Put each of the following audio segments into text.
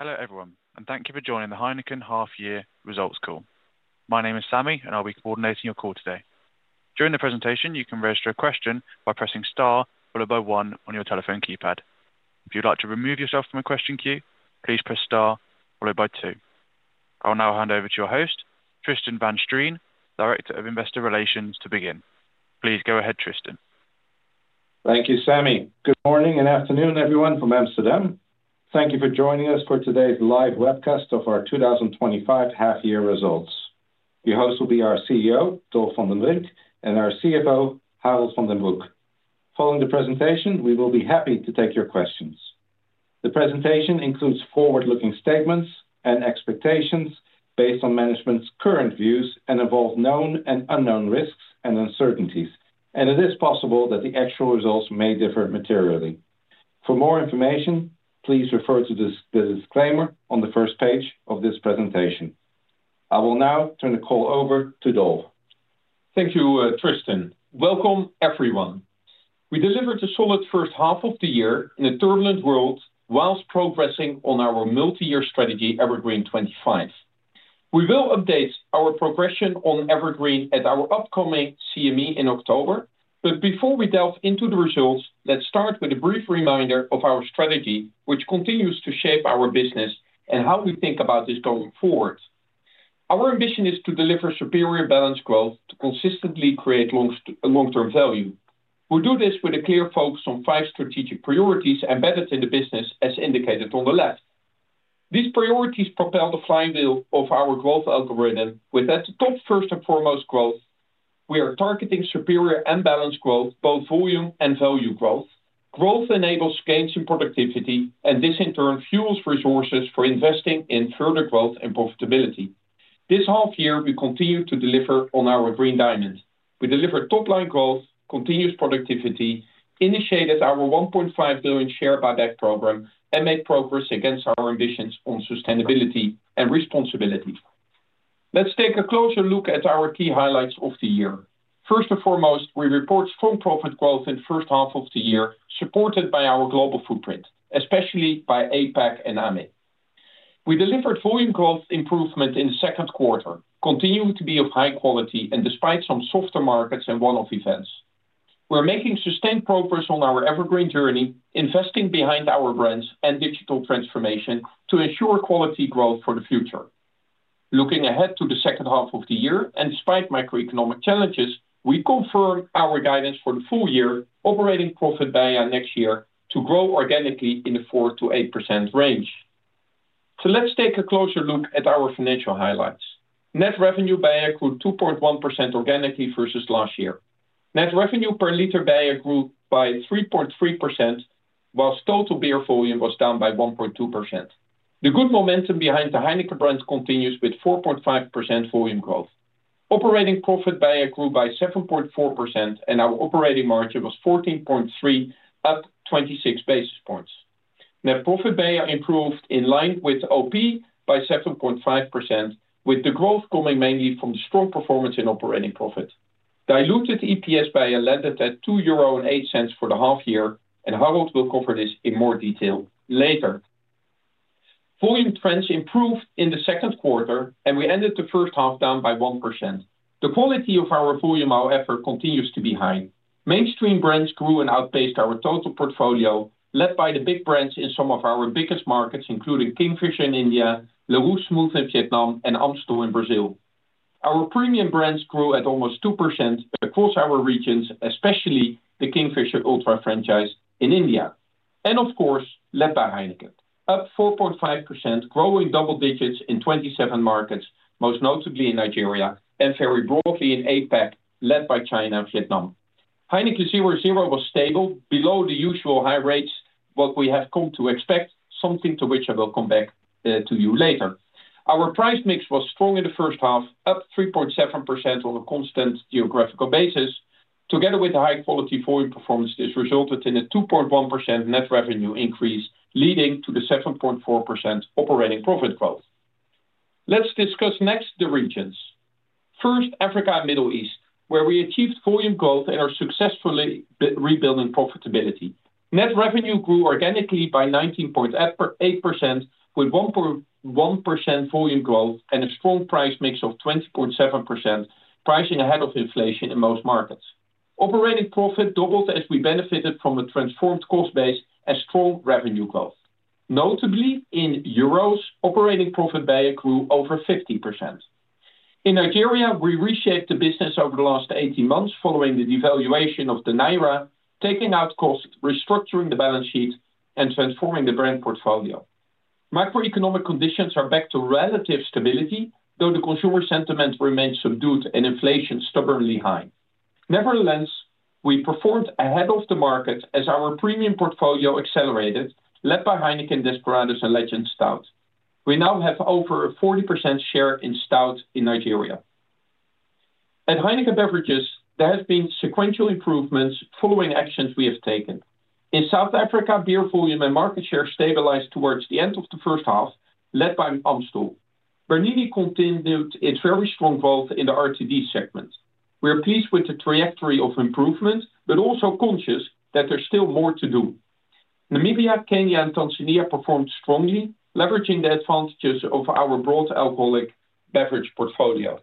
Hello everyone, and thank you for joining the HEINEKEN half-year results call. My name is Sammy, and I'll be coordinating your call today. During the presentation, you can register a question by pressing star followed by one on your telephone keypad. If you'd like to remove yourself from a question queue, please press star followed by two. I'll now hand over to your host, Tristan van Strien, Director of Investor Relations, to begin. Please go ahead, Tristan. Thank you, Sammy. Good morning and afternoon, everyone from Amsterdam. Thank you for joining us for today's live webcast of our 2025 half-year results. Your hosts will be our CEO, Dolf van den Brink, and our CFO, Harold van den Broek. Following the presentation, we will be happy to take your questions. The presentation includes forward-looking statements and expectations based on management's current views and involves known and unknown risks and uncertainties, and it is possible that the actual results may differ materially. For more information, please refer to the disclaimer on the first page of this presentation. I will now turn the call over to Dolf. Thank you, Tristan. Welcome, everyone. We delivered a solid first half of the year in a turbulent world whilst progressing on our multi-year strategy, EverGreen 25. We will update our progression on EverGreen at our upcoming CME in October, but before we delve into the results, let's start with a brief reminder of our strategy, which continues to shape our business and how we think about this going forward. Our ambition is to deliver superior balanced growth to consistently create long-term value. We do this with a clear focus on five strategic priorities embedded in the business, as indicated on the left. These priorities propel the flywheel of our growth algorithm, with at the top, first and foremost, growth. We are targeting superior and balanced growth, both volume and value growth. Growth enables gains in productivity, and this in turn fuels resources for investing in further growth and profitability. This half-year, we continue to deliver on our green diamond. We deliver top-line growth, continuous productivity, initiated our 1.5 billion share buyback program, and made progress against our ambitions on sustainability and responsibility. Let's take a closer look at our key highlights of the year. First and foremost, we report strong profit growth in the first half of the year, supported by our global footprint, especially by APAC and AME. We delivered volume growth improvement in the second quarter, continuing to be of high quality despite some softer markets and one-off events. We're making sustained progress on our EverGreen journey, investing behind our brands and digital transformation to ensure quality growth for the future. Looking ahead to the second half of the year and despite macroeconomic challenges, we confirm our guidance for the full year, operating profit by next year to grow organically in the 4%-8% range. Let's take a closer look at our financial highlights. Net revenue by accrued 2.1% organically versus last year. Net revenue per liter by accrued by 3.3%, whilst total beer volume was down by 1.2%. The good momentum behind the HEINEKEN brand continues with 4.5% volume growth. Operating profit by accrued by 7.4%, and our operating margin was 14.3 up 26 basis points. Net profit by improved in line with OP by 7.5%, with the growth coming mainly from the strong performance in operating profit. Diluted EPS by landed at 2.08 euro for the half-year, and Harold will cover this in more detail later. Volume trends improved in the second quarter, and we ended the first half down by 1%. The quality of our volume, however, continues to be high. Mainstream brands grew and outpaced our total portfolio, led by the big brands in some of our biggest markets, including Kingfisher in India, Leroy Smooth in Vietnam, and AMSTEL in Brazil. Our premium brands grew at almost 2% across our regions, especially the Kingfisher Ultra franchise in India. Of course, led by HEINEKEN, up 4.5%, growing double digits in 27 markets, most notably in Nigeria and very broadly in APAC, led by China and Vietnam. HEINEKEN 0.0 was stable below the usual high rates, what we have come to expect, something to which I will come back to you later. Our price mix was strong in the first half, up 3.7% on a constant geographical basis. Together with the high-quality volume performance, this resulted in a 2.1% net revenue increase, leading to the 7.4% operating profit growth. Let's discuss next the regions. First, Africa and Middle East, where we achieved volume growth and are successfully rebuilding profitability. Net revenue grew organically by 19.8%, with 1% volume growth and a strong price mix of 20.7%, pricing ahead of inflation in most markets. Operating profit doubled as we benefited from a transformed cost base and strong revenue growth. Notably, in EUR, operating profit accrued over 50%. In Nigeria, we reshaped the business over the last 18 months following the devaluation of the Nigerian naira, taking out costs, restructuring the balance sheet, and transforming the brand portfolio. Macroeconomic conditions are back to relative stability, though the consumer sentiment remains subdued and inflation stubbornly high. Nevertheless, we performed ahead of the market as our premium portfolio accelerated, led by HEINEKEN, Desperados, and Legends Stout. We now have over a 40% share in Stout in Nigeria. At HEINEKEN Beverages, there have been sequential improvements following actions we have taken. In South Africa, beer volume and market share stabilized towards the end of the first half, led by AMSTEL. Bernini continued its very strong growth in the RTD segment. We are pleased with the trajectory of improvement, but also conscious that there's still more to do. Namibia, Kenya, and Tanzania performed strongly, leveraging the advantages of our broad alcoholic beverage portfolio.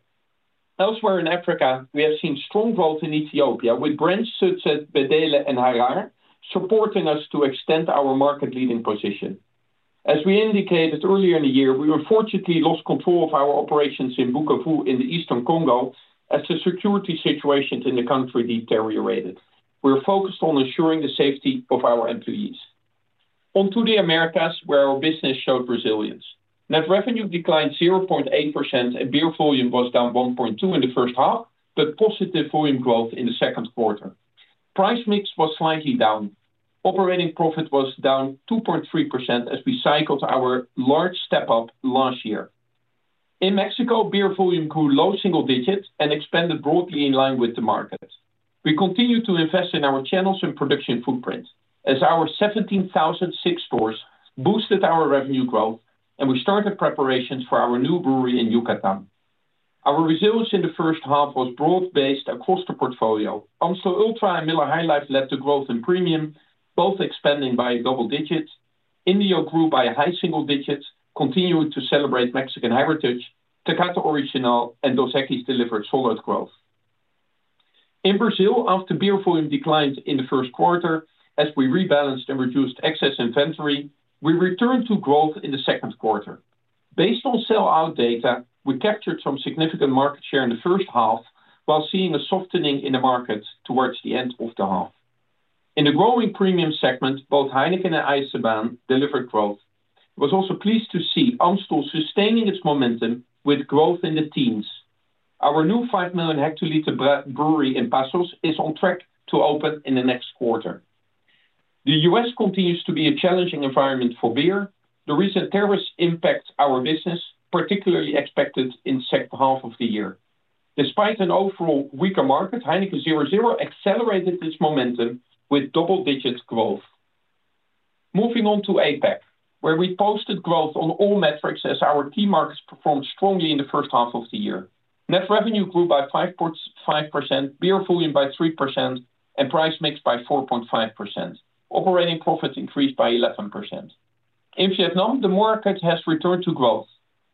Elsewhere in Africa, we have seen strong growth in Ethiopia, with brands such as Bedele and Harar supporting us to extend our market-leading position. As we indicated earlier in the year, we unfortunately lost control of our operations in Bukavu in the eastern Congo as the security situation in the country deteriorated. We are focused on ensuring the safety of our employees. On to the Americas, where our business showed resilience. Net revenue declined 0.8%, and beer volume was down 1.2% in the first half, but positive volume growth in the second quarter. Price mix was slightly down. Operating profit was down 2.3% as we cycled our large step-up last year. In Mexico, beer volume grew low single digits and expanded broadly in line with the market. We continued to invest in our channels and production footprint, as our 17,006 stores boosted our revenue growth, and we started preparations for our new brewery in Yucatán. Our resilience in the first half was broad-based across the portfolio. AMSTEL ULTRA and Miller High Life led to growth in premium, both expanding by double digits. Indio grew by a high single digit, continuing to celebrate Mexican heritage. Tecate Original and Dos Equis delivered solid growth. In Brazil, after beer volume declined in the first quarter, as we rebalanced and reduced excess inventory, we returned to growth in the second quarter. Based on sell-out data, we captured some significant market share in the first half, while seeing a softening in the market towards the end of the half. In the growing premium segment, both HEINEKEN and EISENBAHN delivered growth. I was also pleased to see AMSTEL sustaining its momentum with growth in the teens. Our new 5 million hectolitre brewery in Passos is on track to open in the next quarter. The U.S. continues to be a challenging environment for beer. The recent terrorist impact on our business is particularly expected in the second half of the year. Despite an overall weaker market, HEINEKEN 0.0 accelerated its momentum with double-digit growth. Moving on to APAC, where we posted growth on all metrics as our key markets performed strongly in the first half of the year. Net revenue grew by 5.5%, beer volume by 3%, and price mix by 4.5%. Operating profits increased by 11%. In Vietnam, the market has returned to growth,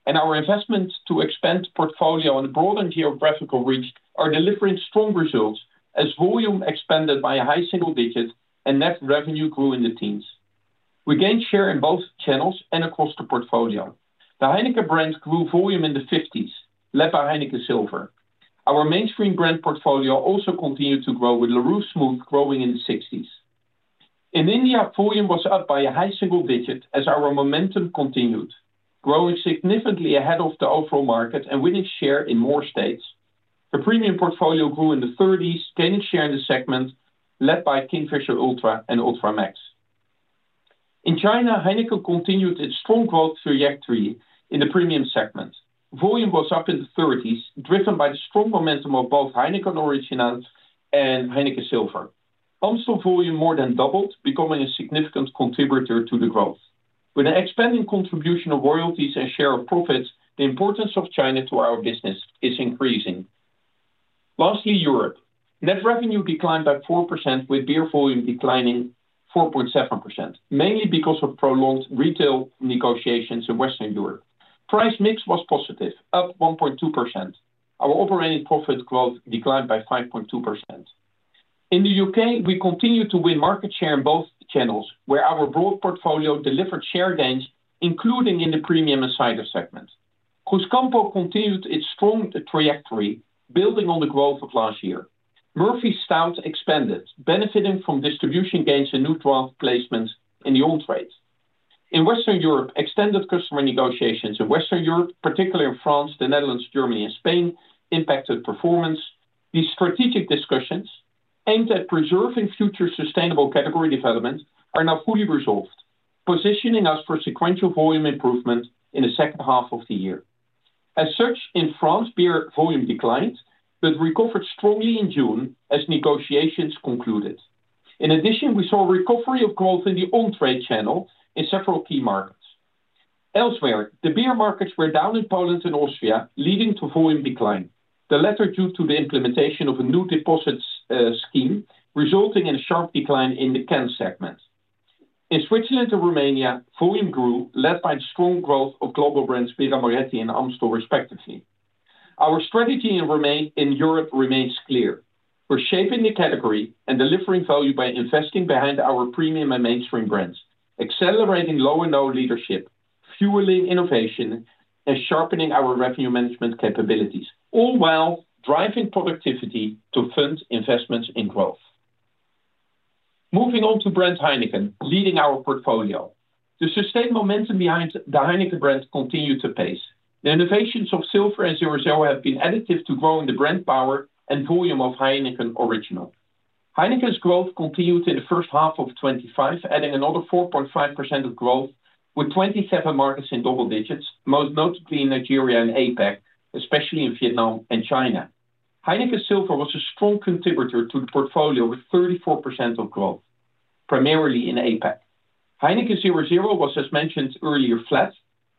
and our investments to expand the portfolio and broaden geographical reach are delivering strong results as volume expanded by a high single digit and net revenue grew in the teens. We gained share in both channels and across the portfolio. The HEINEKEN brand grew volume in the 50s, led by HEINEKEN Silver. Our mainstream brand portfolio also continued to grow, with Leroy Smooth growing in the 60s. In India, volume was up by a high single digit as our momentum continued, growing significantly ahead of the overall market and winning share in more states. The premium portfolio grew in the 30s, gaining share in the segment led by Kingfisher Ultra and Ultra Max. In China, HEINEKEN continued its strong growth trajectory in the premium segment. Volume was up in the 30s, driven by the strong momentum of both HEINEKEN Original and HEINEKEN Silver. AMSTEL volume more than doubled, becoming a significant contributor to the growth. With an expanding contribution of royalties and share of profits, the importance of China to our business is increasing. Lastly, Europe. Net revenue declined by 4%, with beer volume declining 4.7%, mainly because of prolonged retail negotiations in Western Europe. Price mix was positive, up 1.2%. Our operating profit growth declined by 5.2%. In the U.K., we continued to win market share in both channels, where our broad portfolio delivered share gains, including in the premium and cider segment. Cruzcampo continued its strong trajectory, building on the growth of last year. Murphy’s Stout expanded, benefiting from distribution gains and new draft placements in the on-premise. In Western Europe, extended customer negotiations in Western Europe, particularly in France, the Netherlands, Germany, and Spain, impacted performance. These strategic discussions aimed at preserving future sustainable category development are now fully resolved, positioning us for sequential volume improvement in the second half of the year. As such, in France, beer volume declined but recovered strongly in June as negotiations concluded. In addition, we saw recovery of growth in the on-trade channel in several key markets. Elsewhere, the beer markets were down in Poland and Austria, leading to volume decline. The latter due to the implementation of a new deposits scheme, resulting in a sharp decline in the cans segment. In Switzerland and Romania, volume grew, led by strong growth of global brands Birra Moretti and AMSTEL, respectively. Our strategy in Europe remains clear. We're shaping the category and delivering value by investing behind our premium and mainstream brands, accelerating low-and-no leadership, fueling innovation, and sharpening our revenue management capabilities, all while driving productivity to fund investments in growth. Moving on to brand HEINEKEN, leading our portfolio. The sustained momentum behind the HEINEKEN brand continued to pace. The innovations of Silver and 0.0 have been additive to growing the brand power and volume of HEINEKEN Original. HEINEKEN's growth continued in the first half of 2025, adding another 4.5% of growth, with 27 markets in double digits, most notably in Nigeria and APAC, especially in Vietnam and China. HEINEKEN Silver was a strong contributor to the portfolio, with 34% of growth, primarily in APAC. HEINEKEN 0.0 was, as mentioned earlier, flat,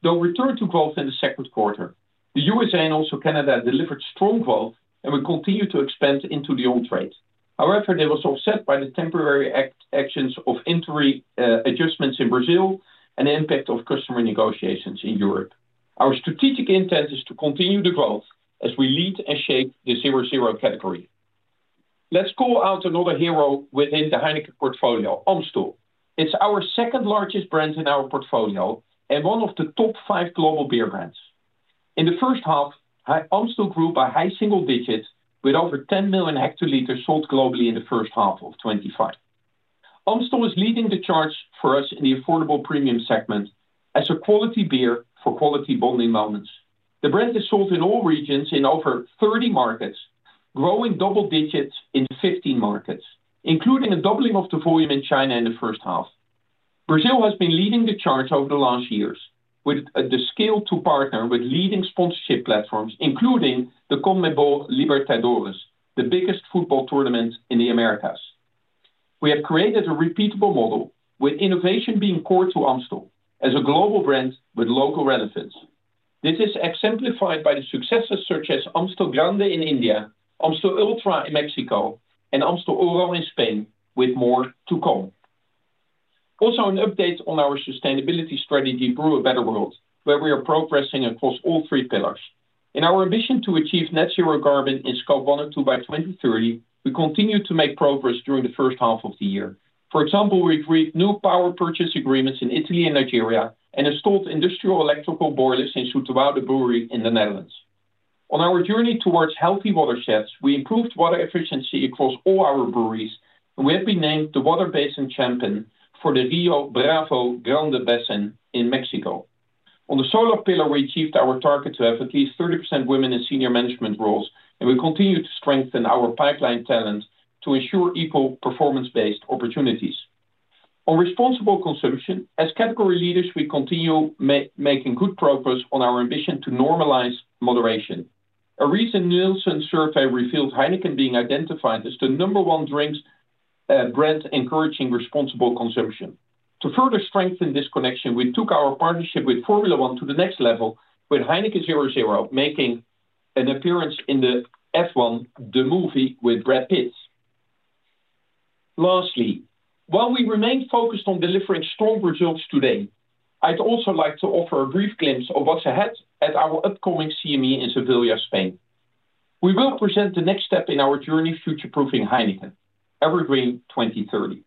though returned to growth in the second quarter. The United States and also Canada delivered strong growth and will continue to expand into the onsuits. However, they were offset by the temporary actions of interim adjustments in Brazil and the impact of customer negotiations in Europe. Our strategic intent is to continue the growth as we lead and shape the 0.0 category. Let's call out another hero within the HEINEKEN portfolio: AMSTEL. It's our second-largest brand in our portfolio and one of the top five global beer brands. In the first half, AMSTEL grew by a high single digit, with over 10 million hectolitres sold globally in the first half of 2025. AMSTEL is leading the charge for us in the affordable premium segment as a quality beer for quality bonding moments. The brand is sold in all regions in over 30 markets, growing double digits in 15 markets, including a doubling of the volume in China in the first half. Brazil has been leading the charge over the last years with the skill to partner with leading sponsorship platforms, including the Conmebol Libertadores, the biggest football tournament in the Americas. We have created a repeatable model, with innovation being core to AMSTEL as a global brand with local relevance. This is exemplified by the successes such as AMSTEL Grande in India, AMSTEL ULTRA in Mexico, and AMSTEL Oro in Spain, with more to come. Also, an update on our sustainability strategy: Brew a Better World, where we are progressing across all three pillars. In our ambition to achieve net zero carbon in scope one and two by 2030, we continue to make progress during the first half of the year. For example, we agreed new power purchase agreements in Italy and Nigeria and installed industrial electrical boilers in Zoeterwoude Brewery in the Netherlands. On our journey towards healthy watersheds, we improved water efficiency across all our breweries, and we have been named the Water Basin Champion for the Rio Bravo Grande Basin in Mexico. On the solar pillar, we achieved our target to have at least 30% women in senior management roles, and we continue to strengthen our pipeline talent to ensure equal performance-based opportunities. On responsible consumption, as category leaders, we continue making good progress on our ambition to normalize moderation. A recent Nielsen survey revealed HEINEKEN being identified as the number one drink brand encouraging responsible consumption. To further strengthen this connection, we took our partnership with Formula 1 to the next level, with HEINEKEN 0.0 making an appearance in the F1, the movie with Brad Pitt. Lastly, while we remain focused on delivering strong results today, I'd also like to offer a brief glimpse of what's ahead at our upcoming CME in Seville, Spain. We will present the next step in our journey: Future-Proofing HEINEKEN, EverGreen 2030.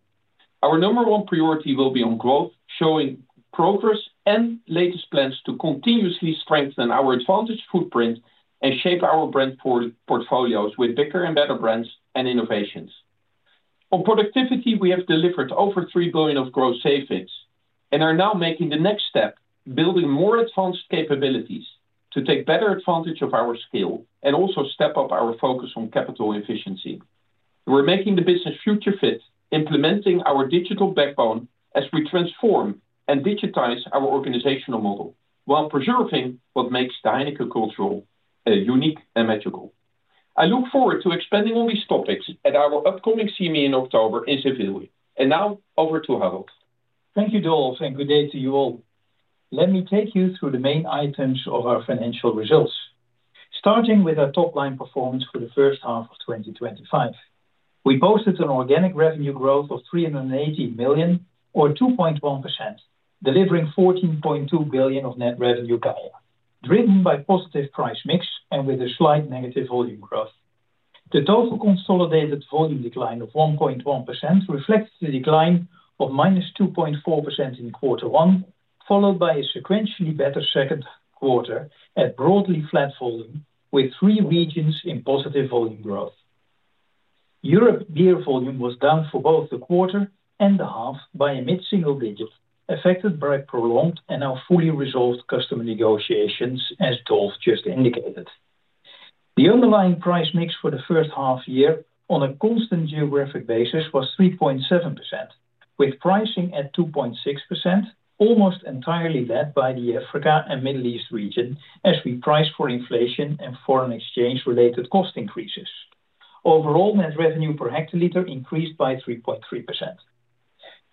Our number one priority will be on growth, showing progress and latest plans to continuously strengthen our advantaged footprint and shape our brand portfolios with bigger and better brands and innovations. On productivity, we have delivered over 3 billion of gross savings and are now making the next step, building more advanced capabilities to take better advantage of our skill and also step up our focus on capital efficiency. We're making the business future-fit, implementing our digital backbone as we transform and digitize our organizational model while preserving what makes the HEINEKEN culture unique and magical. I look forward to expanding on these topics at our upcoming CME in October in Seville. Now, over to Harold. Thank you to all, and good day to you all. Let me take you through the main items of our financial results, starting with our top-line performance for the first half of 2025. We posted an organic revenue growth of 380 million, or 2.1%, delivering 14.2 billion of net revenue per year, driven by positive price mix and with a slight negative volume growth. The total consolidated volume decline of 1.1% reflects the decline of minus 2.4% in quarter one, followed by a sequentially better second quarter at broadly flat volume, with three regions in positive volume growth. Europe beer volume was down for both the quarter and the half by a mid-single digit, affected by prolonged and now fully resolved customer negotiations, as Dolf just indicated. The underlying price mix for the first half year on a constant geographic basis was 3.7%, with pricing at 2.6%, almost entirely led by the Africa and Middle East region, as we priced for inflation and foreign exchange-related cost increases. Overall, net revenue per hectoliter increased by 3.3%.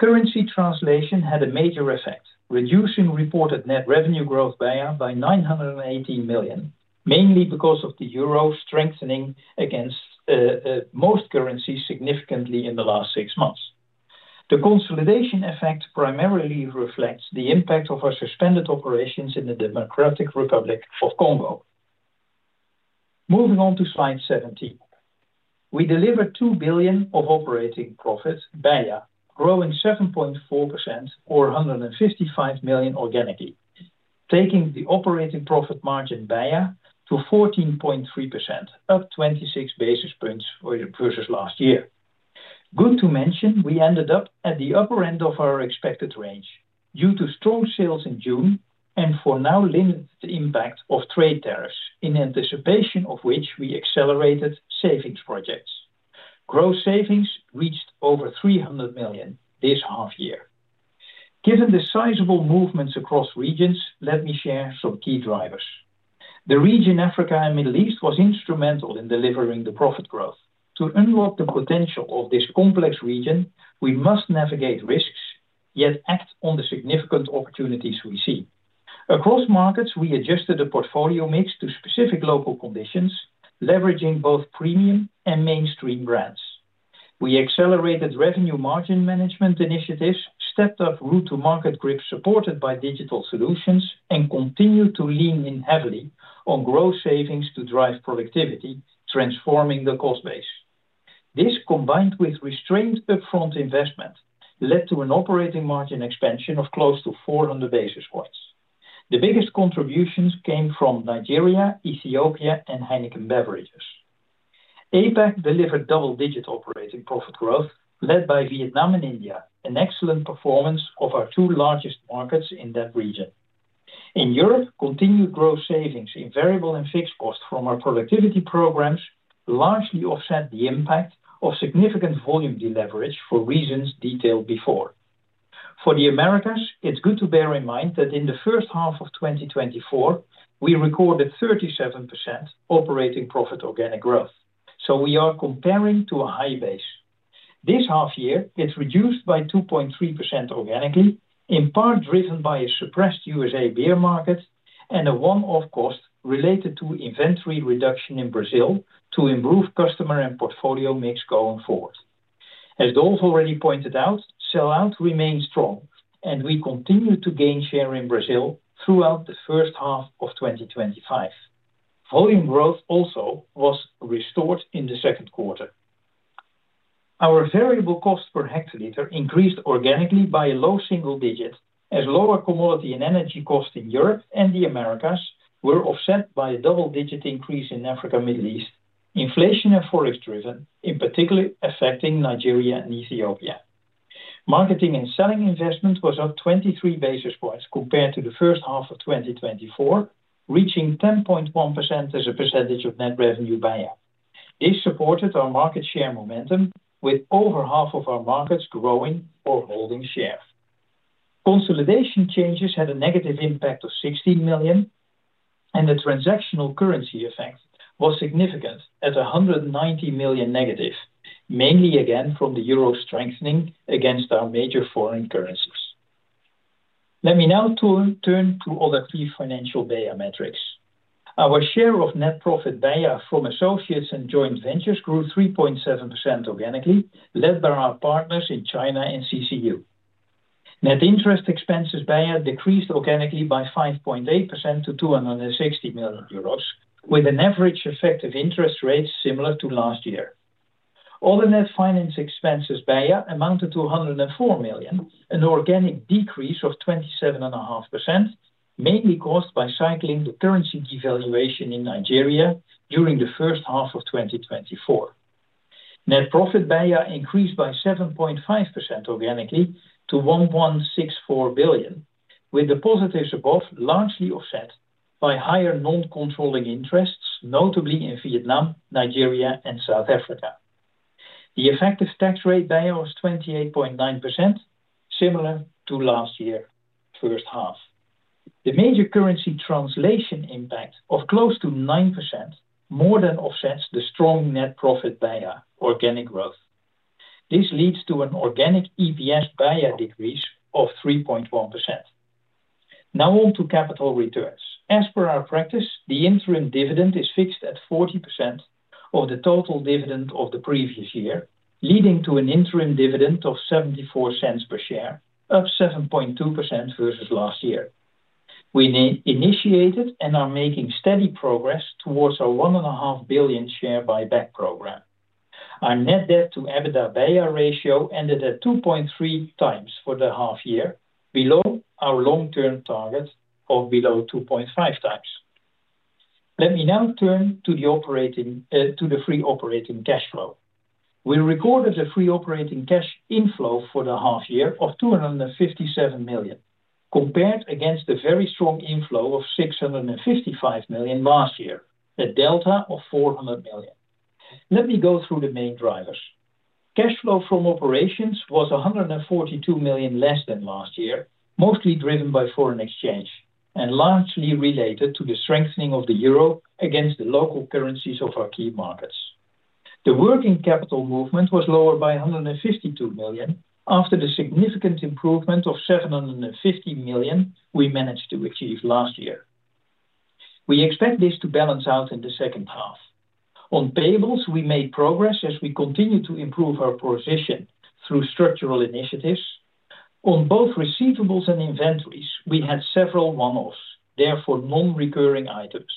Currency translation had a major effect, reducing reported net revenue growth by 918 million, mainly because of the euro strengthening against most currencies significantly in the last six months. The consolidation effect primarily reflects the impact of our suspended operations in the Democratic Republic of the Congo. Moving on to slide 17. We delivered 2 billion of operating profit per year, growing 7.4%, or 155 million organically, taking the operating profit margin per year to 14.3%, up 26 basis points versus last year. Good to mention, we ended up at the upper end of our expected range due to strong sales in June and for now limited the impact of trade tariffs, in anticipation of which we accelerated savings projects. Gross savings reached over 300 million this half year. Given the sizable movements across regions, let me share some key drivers. The region, Africa, and Middle East was instrumental in delivering the profit growth. To unlock the potential of this complex region, we must navigate risks, yet act on the significant opportunities we see. Across markets, we adjusted the portfolio mix to specific local conditions, leveraging both premium and mainstream brands. We accelerated revenue margin management initiatives, stepped up route-to-market grips supported by digital solutions, and continued to lean in heavily on gross savings to drive productivity, transforming the cost base. This, combined with restrained upfront investment, led to an operating margin expansion of close to 400 basis points. The biggest contributions came from Nigeria, Ethiopia, and HEINEKEN Beverages. APAC delivered double-digit operating profit growth, led by Vietnam and India, an excellent performance of our two largest markets in that region. In Europe, continued gross savings in variable and fixed costs from our productivity programs largely offset the impact of significant volume deleverage for reasons detailed before. For the Americas, it's good to bear in mind that in the first half of 2024, we recorded 37% operating profit organic growth, so we are comparing to a high base. This half year, it's reduced by 2.3% organically, in part driven by a suppressed USA beer market and a one-off cost related to inventory reduction in Brazil to improve customer and portfolio mix going forward. As Dolf already pointed out, sellout remained strong, and we continued to gain share in Brazil throughout the first half of 2025. Volume growth also was restored in the second quarter. Our variable cost per hectoliter increased organically by a low single digit, as lower commodity and energy costs in Europe and the Americas were offset by a double-digit increase in Africa and Middle East, inflation and forex driven, in particular affecting Nigeria and Ethiopia. Marketing and selling investment was up 23 basis points compared to the first half of 2024, reaching 10.1% as a percentage of net revenue by year. This supported our market share momentum, with over half of our markets growing or holding share. Consolidation changes had a negative impact of 16 million, and the transactional currency effect was significant at 190 million negative, mainly again from the euro strengthening against our major foreign currencies. Let me now turn to other key financial bear metrics. Our share of net profit per year from associates and joint ventures grew 3.7% organically, led by our partners in China and CCU. Net interest expenses per year decreased organically by 5.8% to 260 million euros, with an average effective interest rate similar to last year. All the net finance expenses per year amounted to 104 million, an organic decrease of 27.5%, mainly caused by cycling the currency devaluation in Nigeria during the first half of 2024. Net profit per year increased by 7.5% organically to 1.164 billion, with the positives above largely offset by higher non-controlling interests, notably in Vietnam, Nigeria, and South Africa. The effective tax rate per year was 28.9%, similar to last year's first half. The major currency translation impact of close to 9% more than offsets the strong net profit per year organic growth. This leads to an organic EPS per year decrease of 3.1%. Now on to Capital Returns. As per our practice, the interim dividend is fixed at 40% of the total dividend of the previous year, leading to an interim dividend of 0.74 per share, up 7.2% versus last year. We initiated and are making steady progress towards our 1.5 billion share buyback program. Our net debt to EBITDA per year ratio ended at 2.3x for the half year, below our long-term target of below 2.5x. Let me now turn to the free operating cash flow. We recorded the free operating cash inflow for the half year of 257 million, compared against the very strong inflow of 655 million last year, a delta of 400 million. Let me go through the main drivers. Cash flow from operations was 142 million less than last year, mostly driven by foreign exchange and largely related to the strengthening of the euro against the local currencies of our key markets. The working capital movement was lower by 152 million after the significant improvement of 750 million we managed to achieve last year. We expect this to balance out in the second half. On payables, we made progress as we continue to improve our position through structural initiatives. On both receivables and inventories, we had several one-offs, therefore non-recurring items.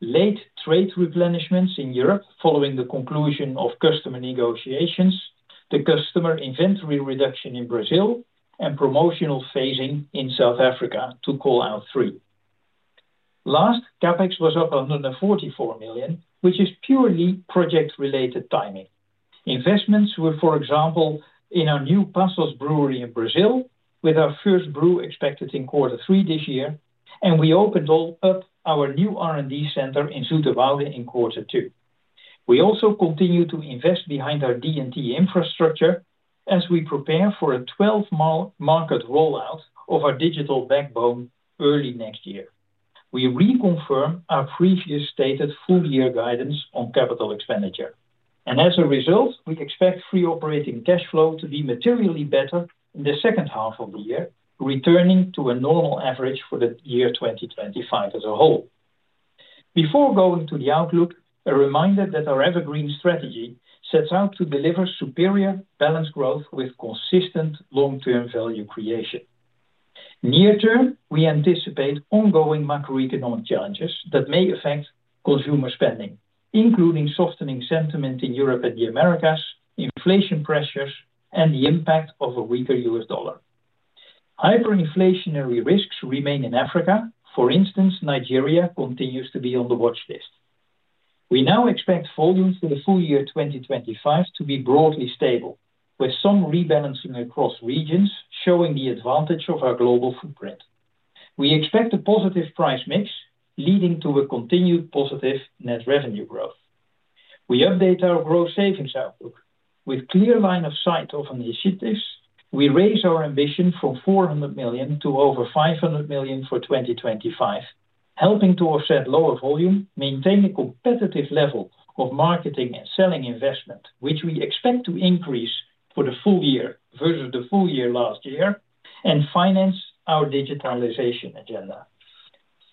Late trade replenishments in Europe following the conclusion of customer negotiations, the customer inventory reduction in Brazil, and promotional phasing in South Africa to call out three. Last, CapEx was up 144 million, which is purely project-related timing. Investments were, for example, in our new Passos brewery in Brazil, with our first brew expected in quarter three this year, and we opened up our new R&D center in Zouterwoude in quarter two. We also continue to invest behind our D&T infrastructure as we prepare for a 12-month market rollout of our digital backbone early next year. We reconfirm our previous stated full-year guidance on capital expenditure. As a result, we expect free operating cash flow to be materially better in the second half of the year, returning to a normal average for the year 2025 as a whole. Before going to the outlook, a reminder that our EverGreen strategy sets out to deliver superior balanced growth with consistent long-term value creation. Near term, we anticipate ongoing macroeconomic challenges that may affect consumer spending, including softening sentiment in Europe and the Americas, inflation pressures, and the impact of a weaker US dollar. Hyperinflationary risks remain in Africa. For instance, Nigeria continues to be on the watch list. We now expect volumes for the full year 2025 to be broadly stable, with some rebalancing across regions showing the advantage of our global footprint. We expect a positive price mix, leading to a continued positive net revenue growth. We update our gross savings outlook. With a clear line of sight of initiatives, we raise our ambition from 400 million to over 500 million for 2025, helping to offset lower volume, maintain a competitive level of marketing and selling investment, which we expect to increase for the full year versus the full year last year, and finance our digitalization agenda.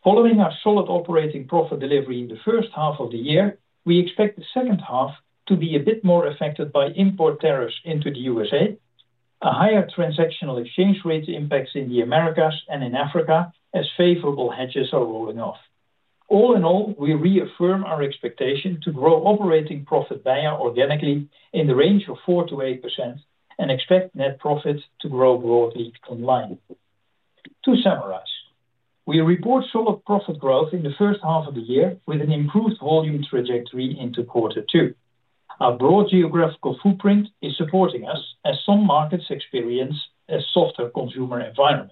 Following our solid operating profit delivery in the first half of the year, we expect the second half to be a bit more affected by import tariffs into the USA, a higher transactional exchange rate impacts in the Americas and in Africa as favorable hedges are rolling off. All in all, we reaffirm our expectation to grow operating profit per year organically in the range of 4%-8% and expect net profit to grow broadly online. To summarize, we report solid profit growth in the first half of the year with an improved volume trajectory into quarter two. Our broad geographical footprint is supporting us as some markets experience a softer consumer environment.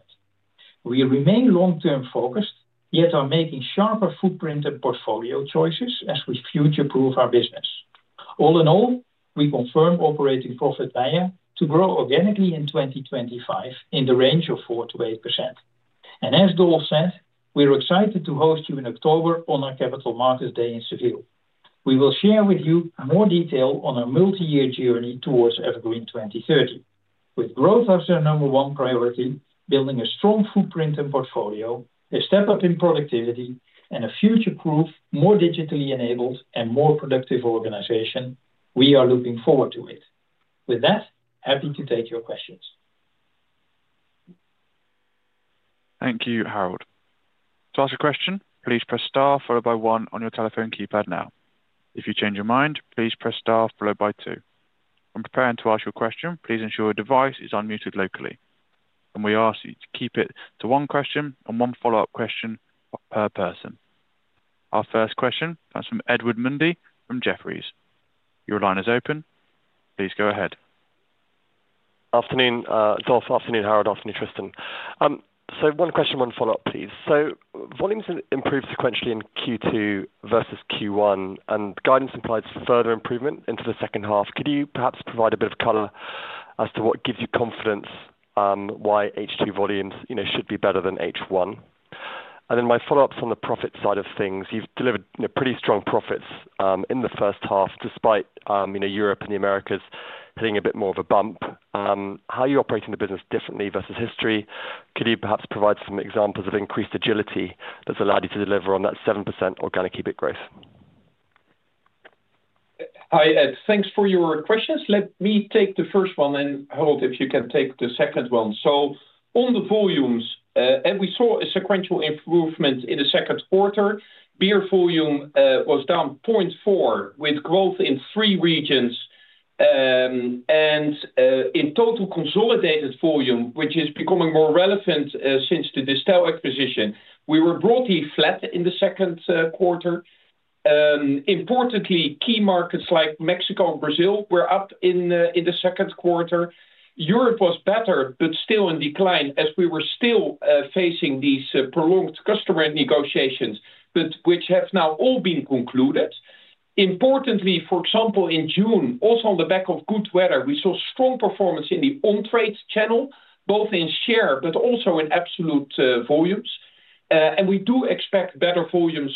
We remain long-term focused, yet are making sharper footprint and portfolio choices as we future-proof our business. All in all, we confirm operating profit per year to grow organically in 2025 in the range of 4%-8%. As Dolf said, we are excited to host you in October on our Capital Markets Day in Seville. We will share with you more detail on our multi-year journey towards EverGreen 2030. With growth as our number one priority, building a strong footprint and portfolio, a step up in productivity, and a future-proof, more digitally enabled, and more productive organization, we are looking forward to it. With that, happy to take your questions. Thank you, Harold. To ask a question, please press star followed by one on your telephone keypad now. If you change your mind, please press star followed by two. When preparing to ask your question, please ensure your device is unmuted locally. We ask you to keep it to one question and one follow-up question per person. Our first question, that's from Edward Mundy from Jefferies. Your line is open. Please go ahead. Afternoon, Dolf. Afternoon, Harold. Afternoon, Tristan. One question, one follow-up, please. Volumes improved sequentially in Q2 versus Q1, and guidance implies further improvement into the second half. Could you perhaps provide a bit of color as to what gives you confidence? Why H2 volumes should be better than H1? My follow-up is on the profit side of things. You've delivered pretty strong profits in the first half, despite Europe and the Americas hitting a bit more of a bump. How are you operating the business differently versus history? Could you perhaps provide some examples of increased agility that's allowed you to deliver on that 7% organic EBITDA growth? Hi, Ed. Thanks for your questions. Let me take the first one, and Harold, if you can take the second one. On the volumes, we saw a sequential improvement in the second quarter. Beer volume was down 0.4%, with growth in three regions. In total consolidated volume, which is becoming more relevant since the distilled acquisition, we were broadly flat in the second quarter. Importantly, key markets like Mexico and Brazil were up in the second quarter. Europe was better, but still in decline, as we were still facing these prolonged customer negotiations, which have now all been concluded. Importantly, for example, in June, also on the back of good weather, we saw strong performance in the on-trade channel, both in share but also in absolute volumes. We do expect better volumes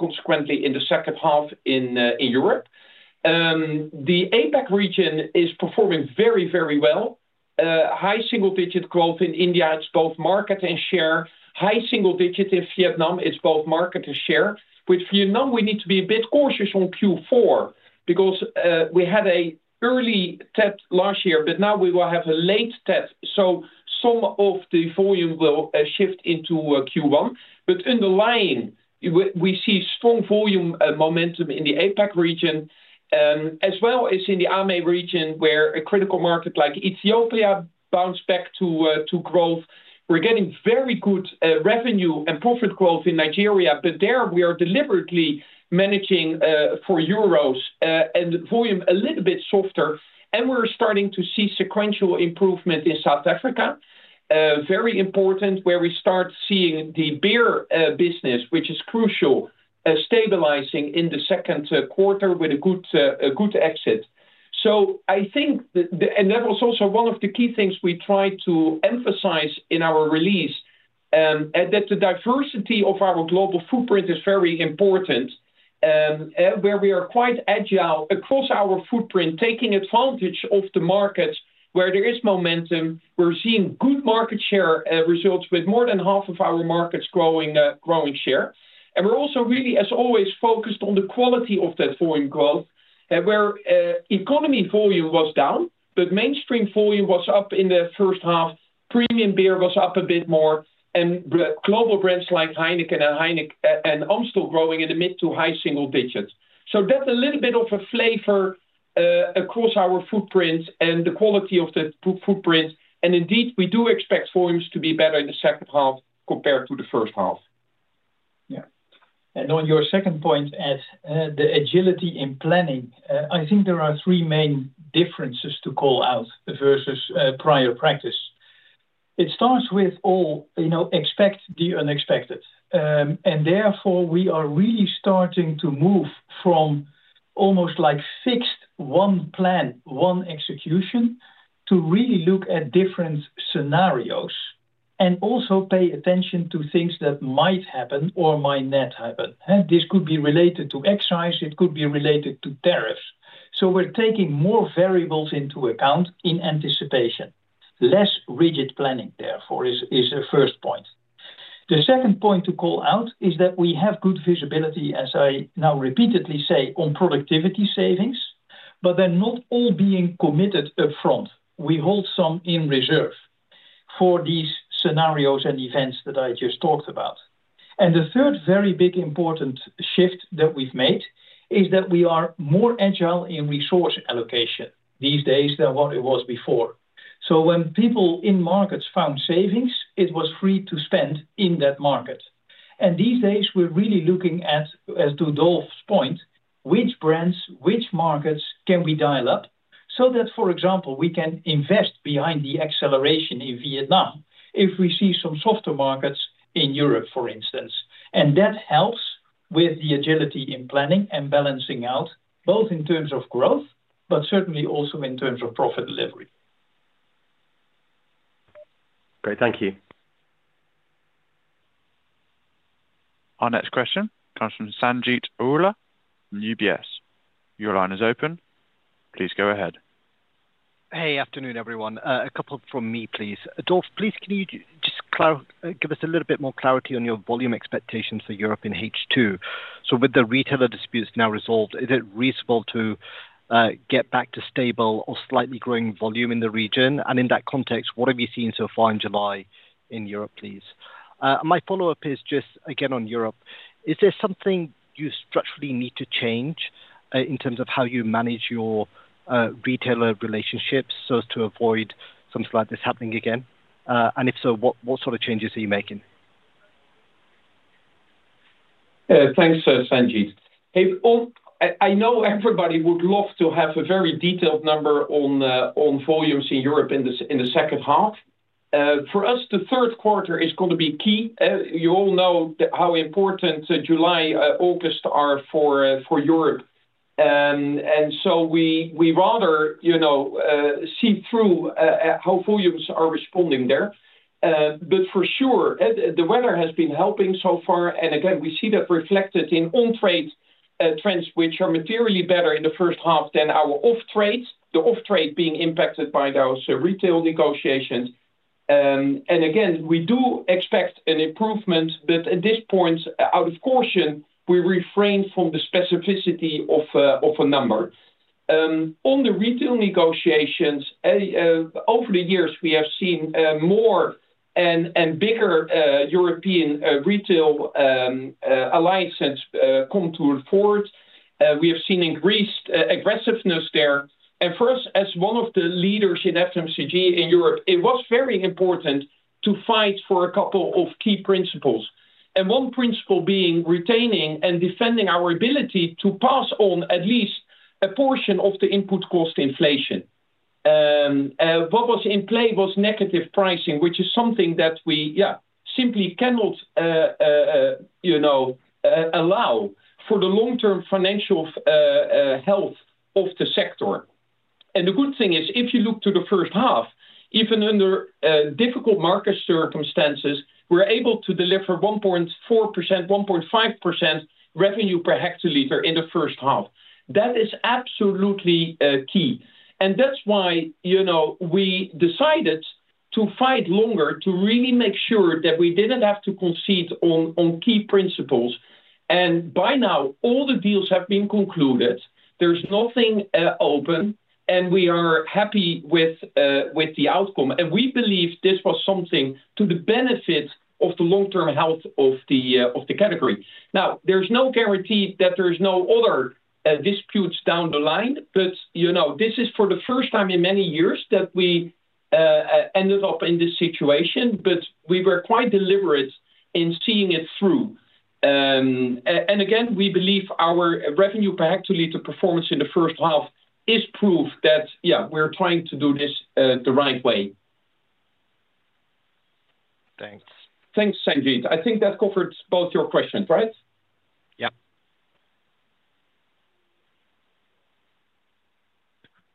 consequently in the second half in Europe. The APAC region is performing very, very well. High single-digit growth in India. It's both market and share. High single-digit in Vietnam. It's both market and share. With Vietnam, we need to be a bit cautious on Q4 because we had an early TET last year, but now we will have a late TET. Some of the volume will shift into Q1. Underlying, we see strong volume momentum in the APAC region. As well as in the AME region, where a critical market like Ethiopia bounced back to growth. We're getting very good revenue and profit growth in Nigeria, but there we are deliberately managing for euros and volume a little bit softer. We're starting to see sequential improvement in South Africa. Very important, where we start seeing the beer business, which is crucial, stabilizing in the second quarter with a good exit. I think, and that was also one of the key things we tried to emphasize in our release, that the diversity of our global footprint is very important, where we are quite agile across our footprint, taking advantage of the markets where there is momentum. We're seeing good market share results with more than half of our markets growing share. We're also really, as always, focused on the quality of that volume growth, where economy volume was down, but mainstream volume was up in the first half. Premium beer was up a bit more, and global brands like HEINEKEN and AMSTEL growing in the mid to high single digits. That's a little bit of a flavor across our footprint and the quality of the footprint. Indeed, we do expect volumes to be better in the second half compared to the first half. Yeah. On your second point, Ed, the agility in planning, I think there are three main differences to call out versus prior practice. It starts with all expect the unexpected. Therefore, we are really starting to move from almost like fixed one plan, one execution, to really look at different scenarios and also pay attention to things that might happen or might not happen. This could be related to excise. It could be related to tariffs. We're taking more variables into account in anticipation. Less rigid planning, therefore, is the first point. The second point to call out is that we have good visibility, as I now repeatedly say, on productivity savings, but they're not all being committed upfront. We hold some in reserve for these scenarios and events that I just talked about. The third very big important shift that we've made is that we are more agile in resource allocation these days than what it was before. When people in markets found savings, it was free to spend in that market. These days, we're really looking at, as to Dolf's point, which brands, which markets can we dial up so that, for example, we can invest behind the acceleration in Vietnam if we see some softer markets in Europe, for instance. That helps with the agility in planning and balancing out, both in terms of growth, but certainly also in terms of profit delivery. Great. Thank you. Our next question comes from Sanjeet Aujla, UBS. Your line is open. Please go ahead. Hey, afternoon, everyone. A couple from me, please. Dolf, please can you just give us a little bit more clarity on your volume expectations for Europe in H2? With the retailer disputes now resolved, is it reasonable to get back to stable or slightly growing volume in the region? In that context, what have you seen so far in July in Europe, please? My follow-up is just, again, on Europe. Is there something you structurally need to change in terms of how you manage your. Retailer relationships so as to avoid something like this happening again? And if so, what sort of changes are you making? Thanks, Sanjeet. I know everybody would love to have a very detailed number on volumes in Europe in the second half. For us, the third quarter is going to be key. You all know how important July and August are for Europe. We rather see through how volumes are responding there. For sure, the weather has been helping so far. Again, we see that reflected in on-trade trends, which are materially better in the first half than our off-trade, the off-trade being impacted by those retail negotiations. We do expect an improvement, but at this point, out of caution, we refrain from the specificity of a number. On the retail negotiations, over the years, we have seen more and bigger European retail alliances come to the fore. We have seen increased aggressiveness there. For us, as one of the leaders in FMCG in Europe, it was very important to fight for a couple of key principles. One principle being retaining and defending our ability to pass on at least a portion of the input cost inflation. What was in play was negative pricing, which is something that we, yeah, simply cannot allow for the long-term financial health of the sector. The good thing is, if you look to the first half, even under difficult market circumstances, we were able to deliver 1.4%-1.5% revenue per hectoliter in the first half. That is absolutely key. That is why we decided to fight longer to really make sure that we did not have to concede on key principles. By now, all the deals have been concluded. There is nothing open, and we are happy with the outcome. We believe this was something to the benefit of the long-term health of the category. There is no guarantee that there are no other disputes down the line, but this is for the first time in many years that we ended up in this situation, but we were quite deliberate in seeing it through. Again, we believe our revenue per hectoliter performance in the first half is proof that, yeah, we are trying to do this the right way. Thanks. Thanks, Sanjeet. I think that covered both your questions, right? Yeah.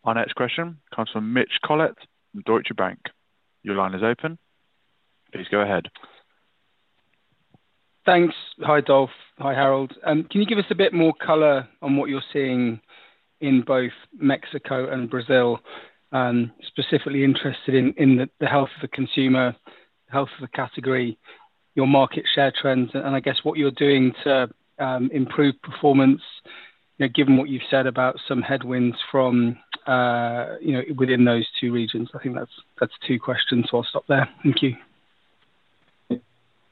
Our next question comes from Mitch Collett from Deutsche Bank. Your line is open. Please go ahead. Thanks. Hi, Dolf. Hi, Harold. Can you give us a bit more color on what you are seeing in both Mexico and Brazil, specifically interested in the health of the consumer, the health of the category, your market share trends, and I guess what you are doing to improve performance, given what you have said about some headwinds from within those two regions? I think that is two questions, so I will stop there. Thank you.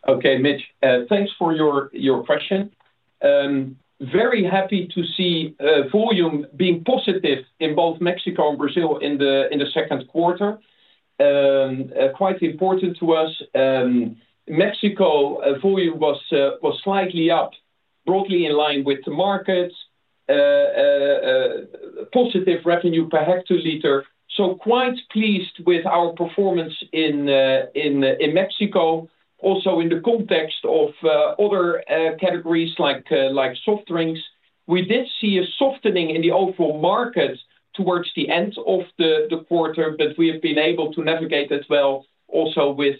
Okay, Mitch, thanks for your question. Very happy to see volume being positive in both Mexico and Brazil in the second quarter. Quite important to us. Mexico volume was slightly up, broadly in line with the market. Positive revenue per hectoliter. So quite pleased with our performance in Mexico, also in the context of other categories like soft drinks. We did see a softening in the overall market towards the end of the quarter, but we have been able to navigate it well also with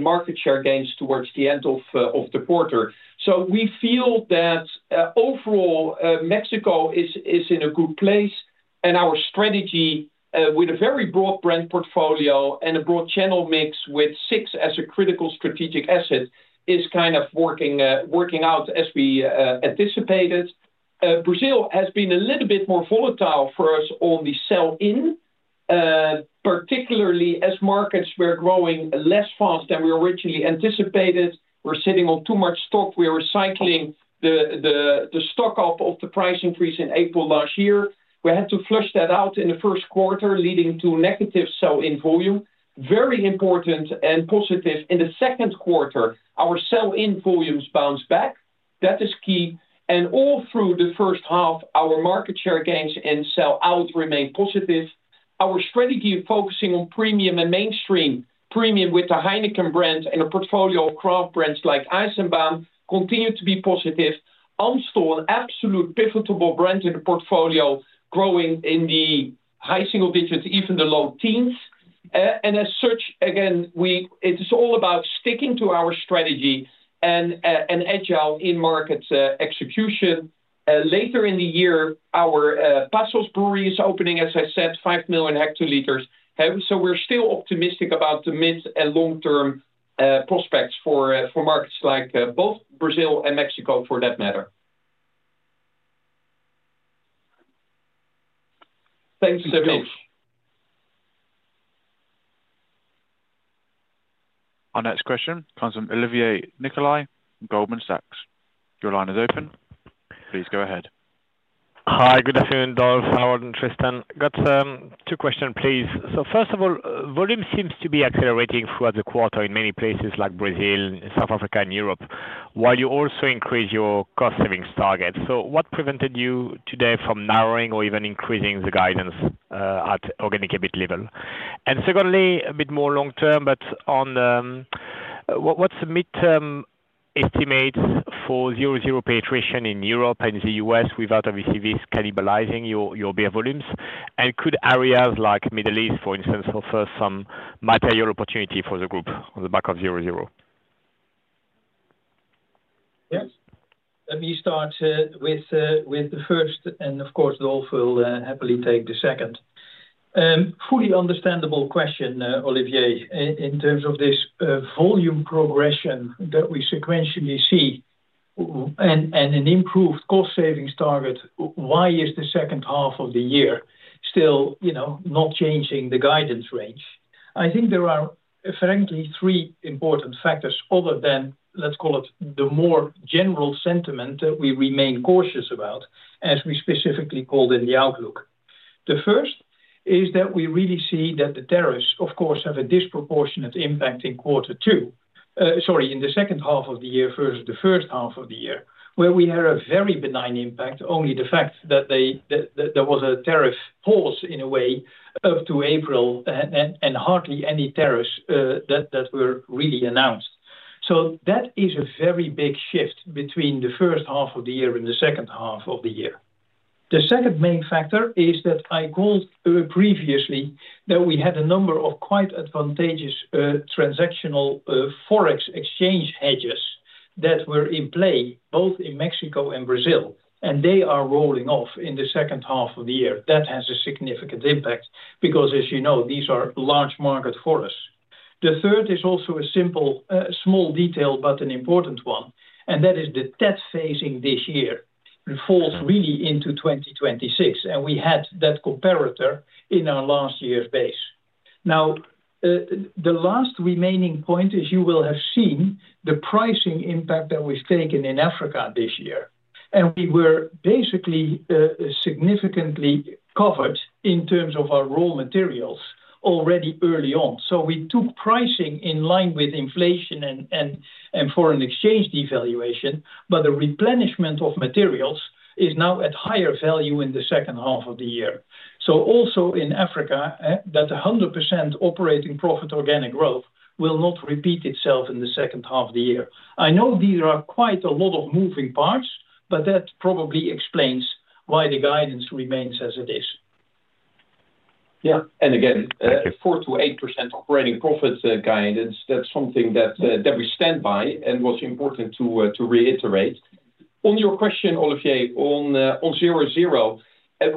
market share gains towards the end of the quarter. So we feel that overall, Mexico is in a good place, and our strategy with a very broad brand portfolio and a broad channel mix with six as a critical strategic asset is kind of working out as we anticipated. Brazil has been a little bit more volatile for us on the sell-in. Particularly as markets were growing less fast than we originally anticipated. We're sitting on too much stock. We're recycling the stock up of the price increase in April last year. We had to flush that out in the first quarter, leading to negative sell-in volume. Very important and positive. In the second quarter, our sell-in volumes bounced back. That is key. And all through the first half, our market share gains and sell-out remained positive. Our strategy of focusing on premium and mainstream premium with the HEINEKEN brand and a portfolio of craft brands like EISENBAHN continued to be positive. Armstrong, an absolute pivotal brand in the portfolio, growing in the high single digits, even the low teens. And as such, again, it's all about sticking to our strategy and agile in market execution. Later in the year, our Passos brewery is opening, as I said, 5 million hectoliters. So we're still optimistic about the mid and long-term prospects for markets like both Brazil and Mexico, for that matter. Thanks, Mitch. Our next question comes from Olivier Nicolai, Goldman Sachs. Your line is open. Please go ahead. Hi, good afternoon, Dolf, Harold, and Tristan. Got two questions, please. So first of all, volume seems to be accelerating throughout the quarter in many places like Brazil, South Africa, and Europe, while you also increase your cost-savings targets. So what prevented you today from narrowing or even increasing the guidance at organic EBITDA level? And secondly, a bit more long-term, but what's the mid-term estimate for zero-zero penetration in Europe and the U.S. without obviously cannibalizing your beer volumes? And could areas like the Middle East, for instance, offer some material opportunity for the group on the back of zero-zero? Yes. Let me start with the first, and of course, Dolf will happily take the second. Fully understandable question, Olivier, in terms of this volume progression that we sequentially see. And an improved cost-savings target, why is the second half of the year still not changing the guidance range? I think there are, frankly, three important factors other than, let's call it, the more general sentiment that we remain cautious about, as we specifically called in the outlook. The first is that we really see that the tariffs, of course, have a disproportionate impact in quarter two, sorry, in the second half of the year versus the first half of the year, where we had a very benign impact, only the fact that there was a tariff pause in a way up to April, and hardly any tariffs that were really announced. That is a very big shift between the first half of the year and the second half of the year. The second main factor is that I called previously that we had a number of quite advantageous transactional forex exchange hedges that were in play both in Mexico and Brazil, and they are rolling off in the second half of the year. That has a significant impact because, as you know, these are large markets for us. The third is also a simple, small detail, but an important one, and that is the TET phasing this year. It falls really into 2026, and we had that comparator in our last year's base. Now, the last remaining point is you will have seen the pricing impact that we've taken in Africa this year. We were basically significantly covered in terms of our raw materials already early on, so we took pricing in line with inflation and foreign exchange devaluation, but the replenishment of materials is now at higher value in the second half of the year. Also in Africa, that 100% operating profit organic growth will not repeat itself in the second half of the year. I know these are quite a lot of moving parts, but that probably explains why the guidance remains as it is. Yeah. Again, 4%-8% operating profit guidance, that's something that we stand by and was important to reiterate. On your question, Olivier, on zero-zero,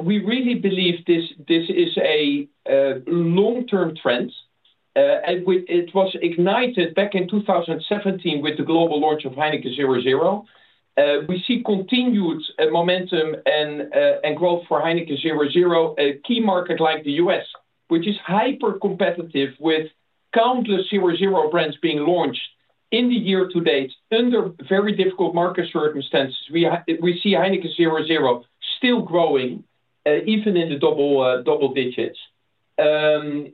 we really believe this is a long-term trend, and it was ignited back in 2017 with the global launch of HEINEKEN 0.0. We see continued momentum and growth for HEINEKEN 0.0, a key market like the U.S., which is hyper-competitive with countless zero-zero brands being launched in the year to date under very difficult market circumstances. We see HEINEKEN 0.0 still growing, even in the double digits.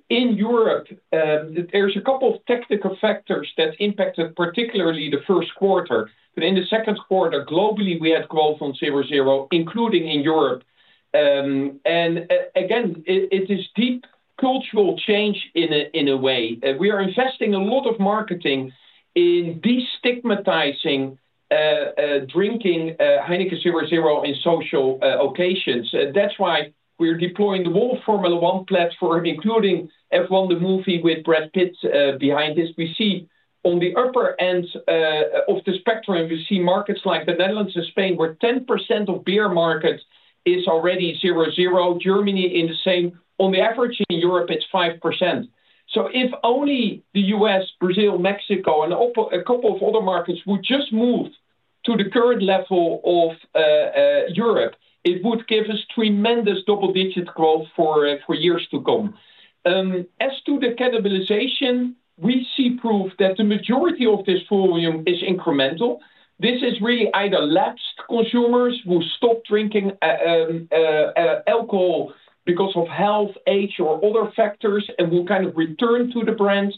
In Europe, there's a couple of technical factors that impacted particularly the first quarter. In the second quarter, globally, we had growth on zero-zero, including in Europe. It is deep cultural change in a way. We are investing a lot of marketing in destigmatizing drinking HEINEKEN 0.0 in social occasions. That's why we're deploying the whole Formula 1 platform, including Formula 1, the movie with Brad Pitt behind this. We see on the upper end of the spectrum, we see markets like the Netherlands and Spain, where 10% of beer market is already zero-zero. Germany in the same. On the average in Europe, it's 5%. If only the U.S., Brazil, Mexico, and a couple of other markets would just move to the current level of Europe, it would give us tremendous double-digit growth for years to come. As to the cannibalization, we see proof that the majority of this volume is incremental. This is really either lapsed consumers who stopped drinking alcohol because of health, age, or other factors, and will kind of return to the brands.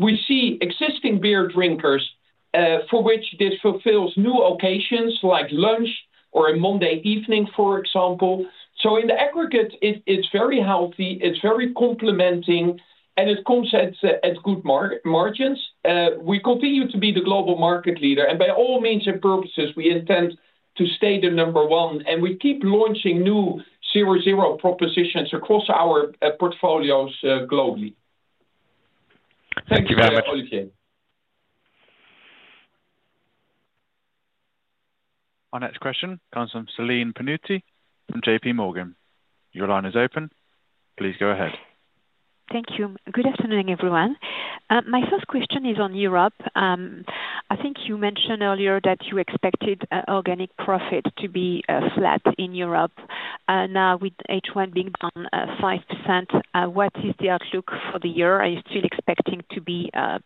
We see existing beer drinkers for which this fulfills new occasions like lunch or a Monday evening, for example. In the aggregate, it's very healthy. It's very complementing, and it comes at good margins. We continue to be the global market leader, and by all means and purposes, we intend to stay the number one, and we keep launching new zero-zero propositions across our portfolios globally. Thank you very much, Olivier. Our next question comes from Celine Pannuti from JPMorgan. Your line is open. Please go ahead. Thank you. Good afternoon, everyone. My first question is on Europe. I think you mentioned earlier that you expected organic profit to be flat in Europe. Now, with H1 being on 5%, what is the outlook for the year? Are you still expecting to be flat?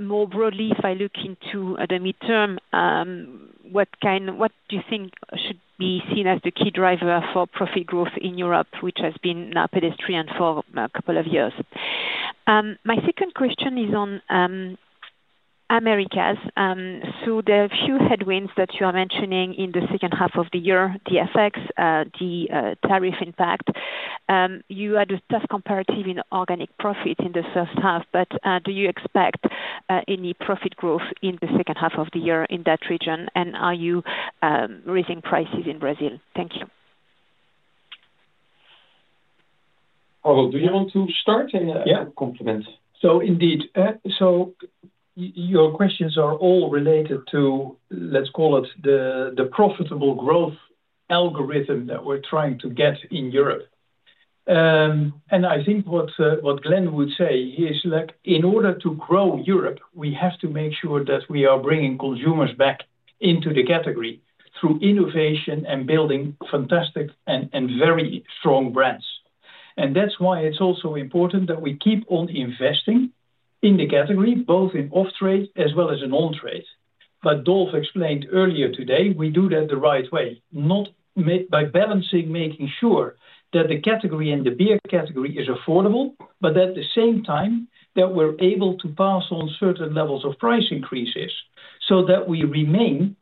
More broadly, if I look into the midterm, what do you think should be seen as the key driver for profit growth in Europe, which has been pedestrian for a couple of years? My second question is on Americas. The few headwinds that you are mentioning in the second half of the year, the effects, the tariff impact. You had a tough comparative in organic profit in the first half, but do you expect any profit growth in the second half of the year in that region? Are you raising prices in Brazil? Thank you. Harold, do you want to start and complement? Yeah. Indeed. Your questions are all related to, let's call it, the profitable growth algorithm that we're trying to get in Europe. I think what Glenn would say is, in order to grow Europe, we have to make sure that we are bringing consumers back into the category through innovation and building fantastic and very strong brands. That's why it's also important that we keep on investing in the category, both in off-trade as well as in on-trade. As Dolf explained earlier today, we do that the right way, not by balancing, making sure that the category and the beer category is affordable, but at the same time, that we're able to pass on certain levels of price increases so that we remain.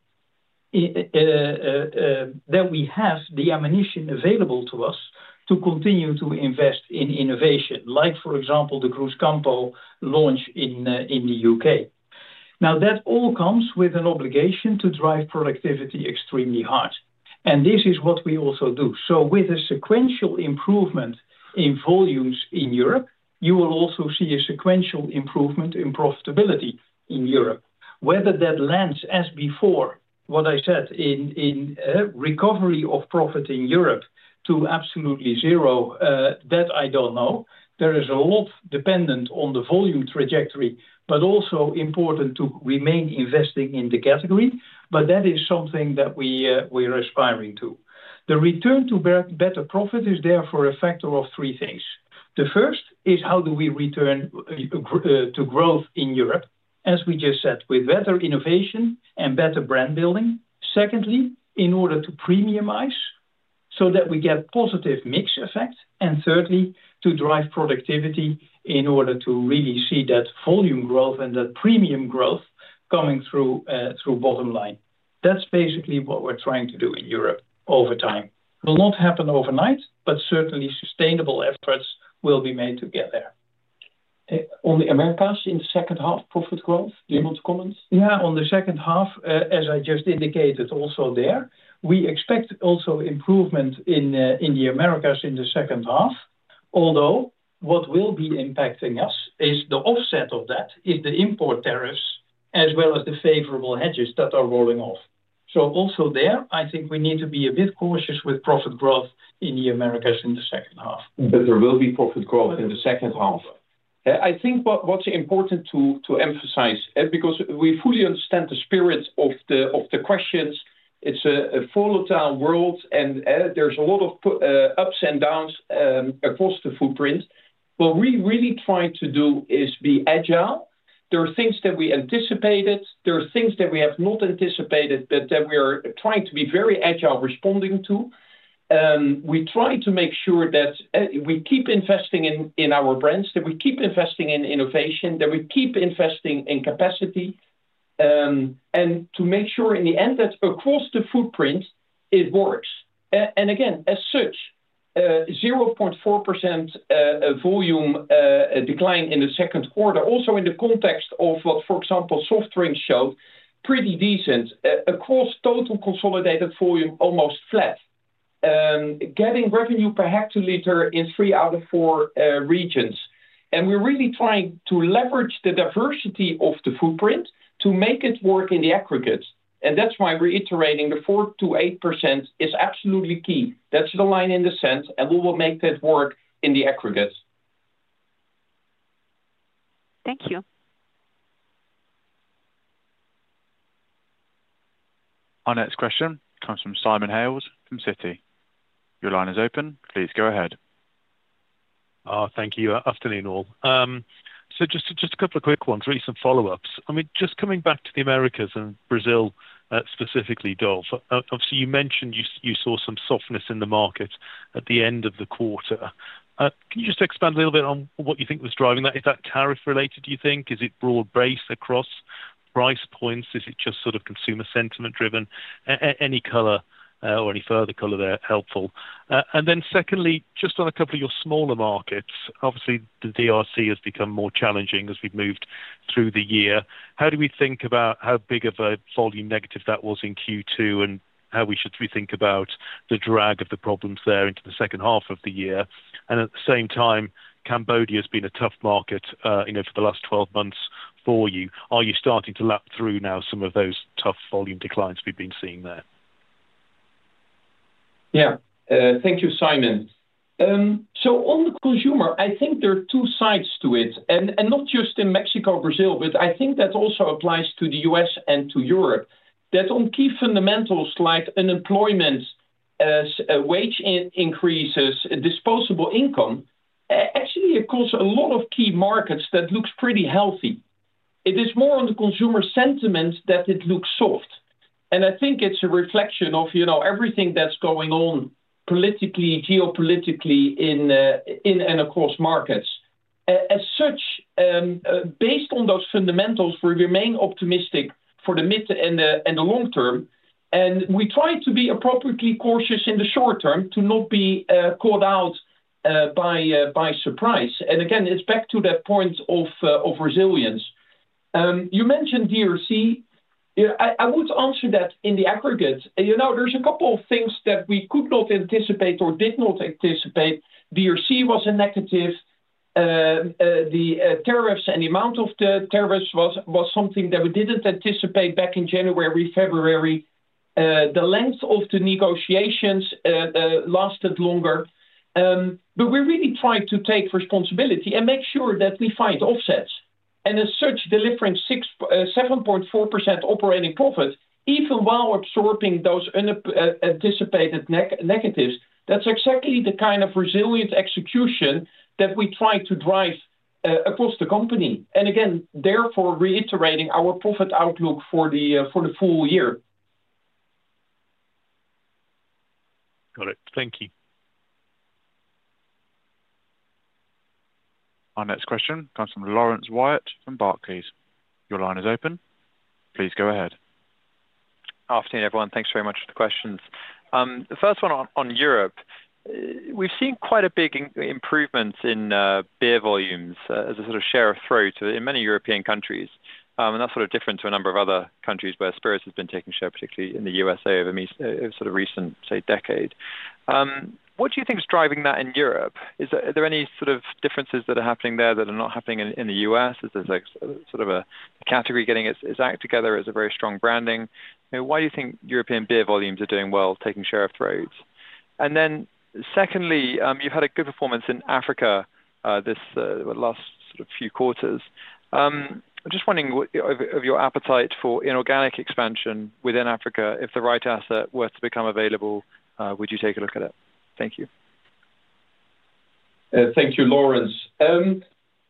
That we have the ammunition available to us to continue to invest in innovation, like, for example, the Cruzcampo launch in the U.K. Now, that all comes with an obligation to drive productivity extremely hard. This is what we also do. With a sequential improvement in volumes in Europe, you will also see a sequential improvement in profitability in Europe. Whether that lands, as before, what I said, in recovery of profit in Europe to absolutely zero, that I do not know. There is a lot dependent on the volume trajectory, but also important to remain investing in the category. That is something that we are aspiring to. The return to better profit is there for a factor of three things. The first is how do we return to growth in Europe, as we just said, with better innovation and better brand building. Secondly, in order to premiumize so that we get positive mix effect. Thirdly, to drive productivity in order to really see that volume growth and that premium growth coming through. Bottom line. That is basically what we are trying to do in Europe over time. It will not happen overnight, but certainly sustainable efforts will be made to get there. On the Americas in the second half, profit growth? Do you want to comment? Yeah. On the second half, as I just indicated also there, we expect also improvement in the Americas in the second half. Although what will be impacting us is the offset of that is the import tariffs as well as the favorable hedges that are rolling off. Also there, I think we need to be a bit cautious with profit growth in the Americas in the second half. There will be profit growth in the second half. I think what is important to emphasize, because we fully understand the spirit of the questions, it is a volatile world, and there is a lot of ups and downs across the footprint. What we really try to do is be agile. There are things that we anticipated. There are things that we have not anticipated, but that we are trying to be very agile responding to. We try to make sure that we keep investing in our brands, that we keep investing in innovation, that we keep investing in capacity. To make sure in the end that across the footprint, it works. Again, as such, 0.4% volume decline in the second quarter, also in the context of what, for example, SoftRing showed, pretty decent across total consolidated volume, almost flat. Getting revenue per hectoliter in three out of four regions. We are really trying to leverage the diversity of the footprint to make it work in the aggregate. That is why reiterating the 4-8% is absolutely key. That is the line in the sand, and we will make that work in the aggregate. Thank you. Our next question comes from Simon Hales from citi. Your line is open. Please go ahead. Thank you. Afternoon, all. Just a couple of quick ones, recent follow-ups. I mean, just coming back to the Americas and Brazil specifically, Dolf, obviously, you mentioned you saw some softness in the market at the end of the quarter. Can you just expand a little bit on what you think was driving that? Is that tariff-related, do you think? Is it broad-based across price points? Is it just sort of consumer sentiment-driven? Any color or any further color there helpful? And then secondly, just on a couple of your smaller markets, obviously, the DRC has become more challenging as we've moved through the year. How do we think about how big of a volume negative that was in Q2 and how we should rethink about the drag of the problems there into the second half of the year? At the same time, Cambodia has been a tough market for the last 12 months for you. Are you starting to lap through now some of those tough volume declines we've been seeing there? Yeah. Thank you, Simon. On the consumer, I think there are two sides to it. Not just in Mexico or Brazil, but I think that also applies to the U.S. and to Europe, that on key fundamentals like unemployment, wage increases, disposable income, actually it caused a lot of key markets that looked pretty healthy. It is more on the consumer sentiment that it looks soft. I think it's a reflection of everything that's going on politically, geopolitically, in and across markets. As such, based on those fundamentals, we remain optimistic for the mid and the long term. We try to be appropriately cautious in the short term to not be caught out by surprise. Again, it's back to that point of resilience. You mentioned DRC. I would answer that in the aggregate. There's a couple of things that we could not anticipate or did not anticipate. DRC was a negative. The tariffs and the amount of the tariffs was something that we didn't anticipate back in January, February. The length of the negotiations lasted longer. We're really trying to take responsibility and make sure that we find offsets. As such, delivering 7.4% operating profit, even while absorbing those anticipated negatives, that's exactly the kind of resilient execution that we try to drive across the company. Again, therefore, reiterating our profit outlook for the full year. Got it. Thank you. Our next question comes from Laurence Wyatt from BARCLAYS. Your line is open. Please go ahead. Afternoon, everyone. Thanks very much for the questions. The first one on Europe. We've seen quite a big improvement in beer volumes as a sort of share of throat in many European countries. That's sort of different to a number of other countries where spirits have been taking share, particularly in the U.S.A. over a sort of recent, say, decade. What do you think is driving that in Europe? Are there any sort of differences that are happening there that are not happening in the U.S.? Is there sort of a category getting its act together? Is there very strong branding? Why do you think European beer volumes are doing well, taking share of throats? Then secondly, you've had a good performance in Africa. This last sort of few quarters. I'm just wondering of your appetite for inorganic expansion within Africa, if the right asset were to become available, would you take a look at it? Thank you. Thank you, Laurence.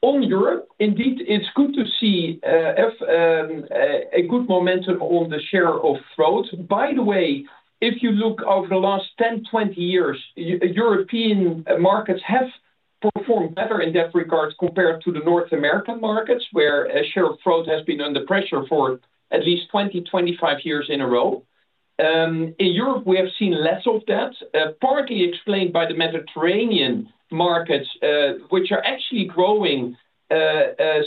On Europe, indeed, it's good to see a good momentum on the share of throat. By the way, if you look over the last 10-20 years, European markets have performed better in that regard compared to the North American markets, where share of throat has been under pressure for at least 20-25 years in a row. In Europe, we have seen less of that, partly explained by the Mediterranean markets, which are actually growing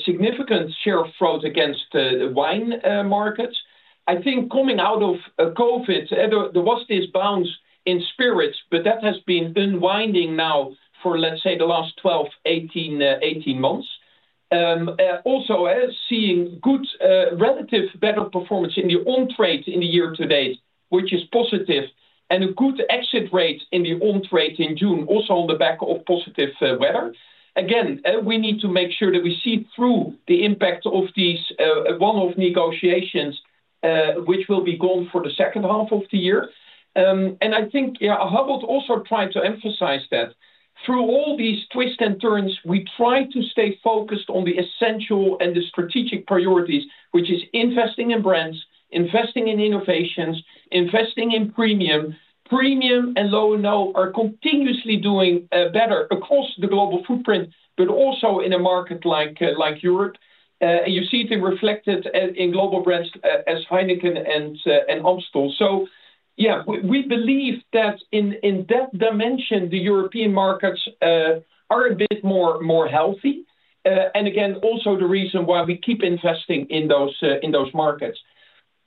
significant share of throat against the wine markets. I think coming out of COVID, there was this bounce in spirits, but that has been unwinding now for, let's say, the last 12-18 months. Also seeing good, relative better performance in the on-trade in the year to date, which is positive, and a good exit rate in the on-trade in June, also on the back of positive weather. Again, we need to make sure that we see through the impact of these one-off negotiations, which will be gone for the second half of the year. I think, yeah, I would also try to emphasize that through all these twists and turns, we try to stay focused on the essential and the strategic priorities, which is investing in brands, investing in innovations, investing in premium. Premium and low and low are continuously doing better across the global footprint, but also in a market like Europe. You see it reflected in global brands as HEINEKEN and AMSTEL. So, yeah, we believe that in that dimension, the European markets are a bit more healthy. Again, also the reason why we keep investing in those markets.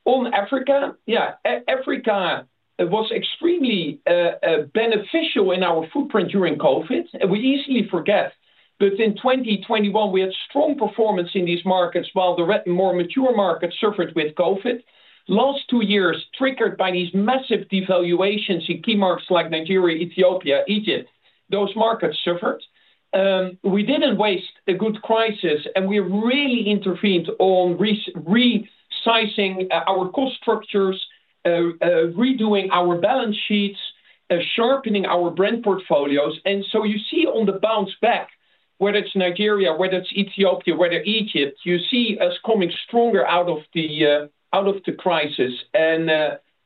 On Africa, yeah, Africa was extremely beneficial in our footprint during COVID. We easily forget, but in 2021, we had strong performance in these markets while the more mature markets suffered with COVID. Last two years, triggered by these massive devaluations in key marks like Nigeria, Ethiopia, Egypt, those markets suffered. We didn't waste a good crisis, and we really intervened on resizing our cost structures, redoing our balance sheets, sharpening our brand portfolios. You see on the bounce back, whether it's Nigeria, whether it's Ethiopia, whether Egypt, you see us coming stronger out of the crisis.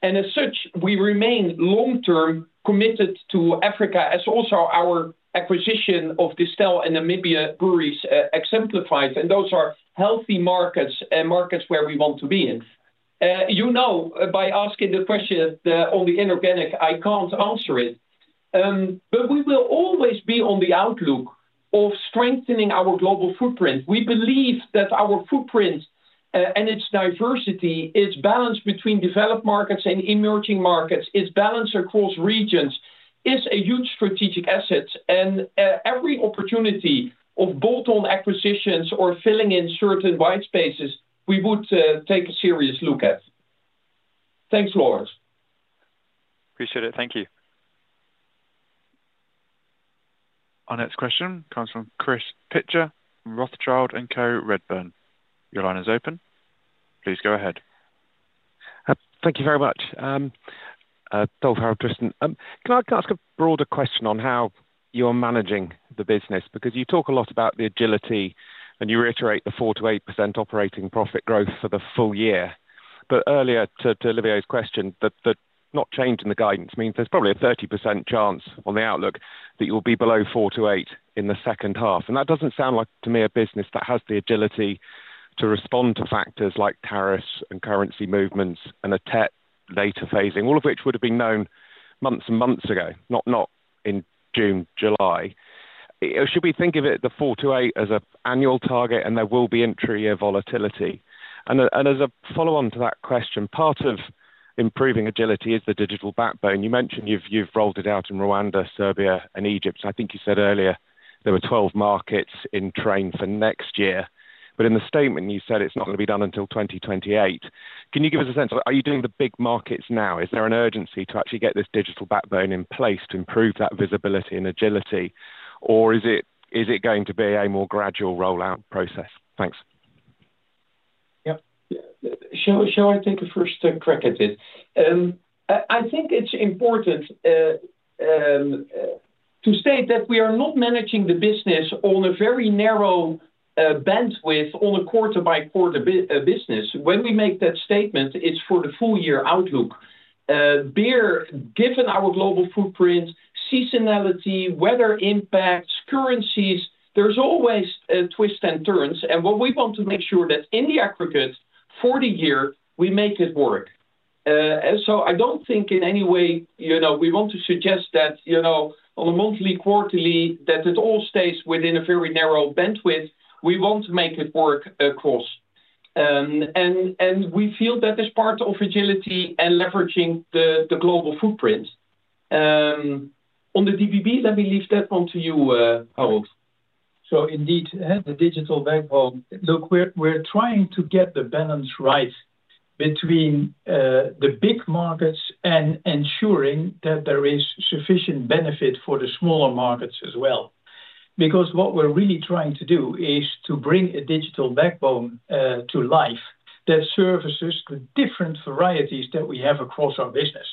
As such, we remain long-term committed to Africa, as also our acquisition of Distel and Namibia breweries exemplifies. Those are healthy markets and markets where we want to be in. You know, by asking the question on the inorganic, I can't answer it. But we will always be on the outlook of strengthening our global footprint. We believe that our footprint and its diversity, its balance between developed markets and emerging markets, its balance across regions is a huge strategic asset. Every opportunity of bolt-on acquisitions or filling in certain white spaces, we would take a serious look at. Thanks, Laurence. Appreciate it. Thank you. Our next question comes from Chris Pitcher from Rothschild & Co Redburn. Your line is open. Please go ahead. Thank you very much. Dolf, Harold, Tristan, can I ask a broader question on how you're managing the business? Because you talk a lot about the agility, and you reiterate the 4-8% operating profit growth for the full year. Earlier, to Olivier's question, that not changing the guidance means there's probably a 30% chance on the outlook that you'll be below 4-8% in the second half. That does not sound like to me a business that has the agility to respond to factors like tariffs and currency movements and a TET later phasing, all of which would have been known months and months ago, not in June, July. Should we think of it, the 4-8% as an annual target, and there will be intra-year volatility? As a follow-on to that question, part of improving agility is the digital backbone. You mentioned you've rolled it out in Rwanda, Serbia, and Egypt. I think you said earlier there were 12 markets in train for next year. In the statement, you said it's not going to be done until 2028. Can you give us a sense of, are you doing the big markets now? Is there an urgency to actually get this digital backbone in place to improve that visibility and agility? Or is it going to be a more gradual rollout process? Thanks. Yep. Shall I take a first crack at it? I think it's important to state that we are not managing the business on a very narrow bandwidth on a quarter-by-quarter basis. When we make that statement, it's for the full-year outlook. Beer, given our global footprint, seasonality, weather impacts, currencies, there's always twists and turns. What we want to make sure is that in the aggregate for the year, we make it work. I don't think in any way we want to suggest that on a monthly, quarterly, that it all stays within a very narrow bandwidth. We want to make it work across, and we feel that is part of agility and leveraging the global footprint. On the digital backbone, let me leave that one to you, Harold. So indeed, the digital backbone, look, we're trying to get the balance right between the big markets and ensuring that there is sufficient benefit for the smaller markets as well. Because what we're really trying to do is to bring a digital backbone to life that services the different varieties that we have across our business.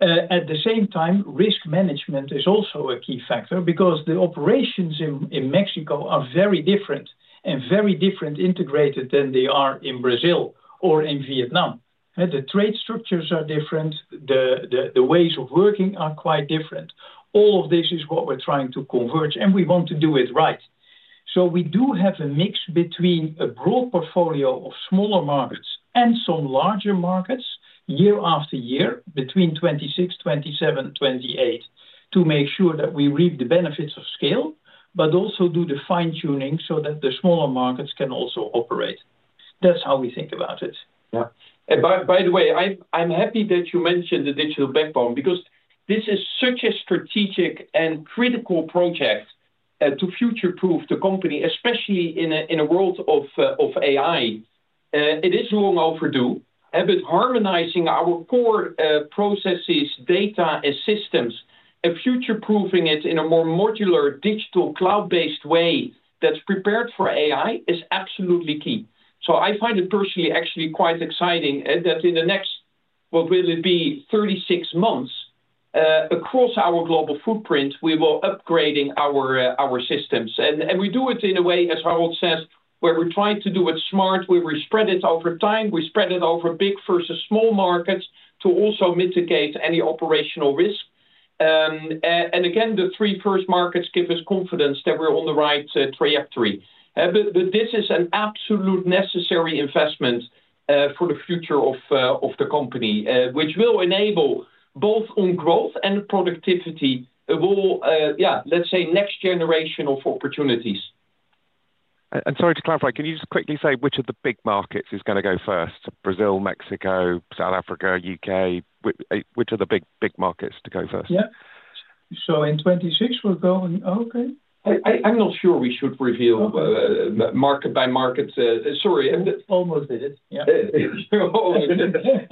At the same time, risk management is also a key factor because the operations in Mexico are very different and very different integrated than they are in Brazil or in Vietnam. The trade structures are different. The ways of working are quite different. All of this is what we're trying to converge, and we want to do it right. We do have a mix between a broad portfolio of smaller markets and some larger markets year after year between 2026, 2027, 2028 to make sure that we reap the benefits of scale, but also do the fine-tuning so that the smaller markets can also operate. That's how we think about it. Yeah. By the way, I'm happy that you mentioned the digital backbone because this is such a strategic and critical project to future-proof the company, especially in a world of AI. It is long overdue, but harmonizing our core processes, data, and systems and future-proofing it in a more modular, digital, cloud-based way that's prepared for AI is absolutely key. I find it personally actually quite exciting that in the next, what will it be, 36 months. Across our global footprint, we will be upgrading our systems. We do it in a way, as Harold says, where we're trying to do it smart. We spread it over time. We spread it over big versus small markets to also mitigate any operational risk. Again, the three first markets give us confidence that we're on the right trajectory. This is an absolute necessary investment for the future of the company, which will enable both on growth and productivity of all, yeah, let's say, next generation of opportunities. Sorry to clarify, can you just quickly say which of the big markets is going to go first? Brazil, Mexico, South Africa, U.K., which are the big markets to go first? Yeah. In 2026, we'll go and okay. I'm not sure we should reveal. Market by market. Sorry. Almost did it. Yeah. Almost did it.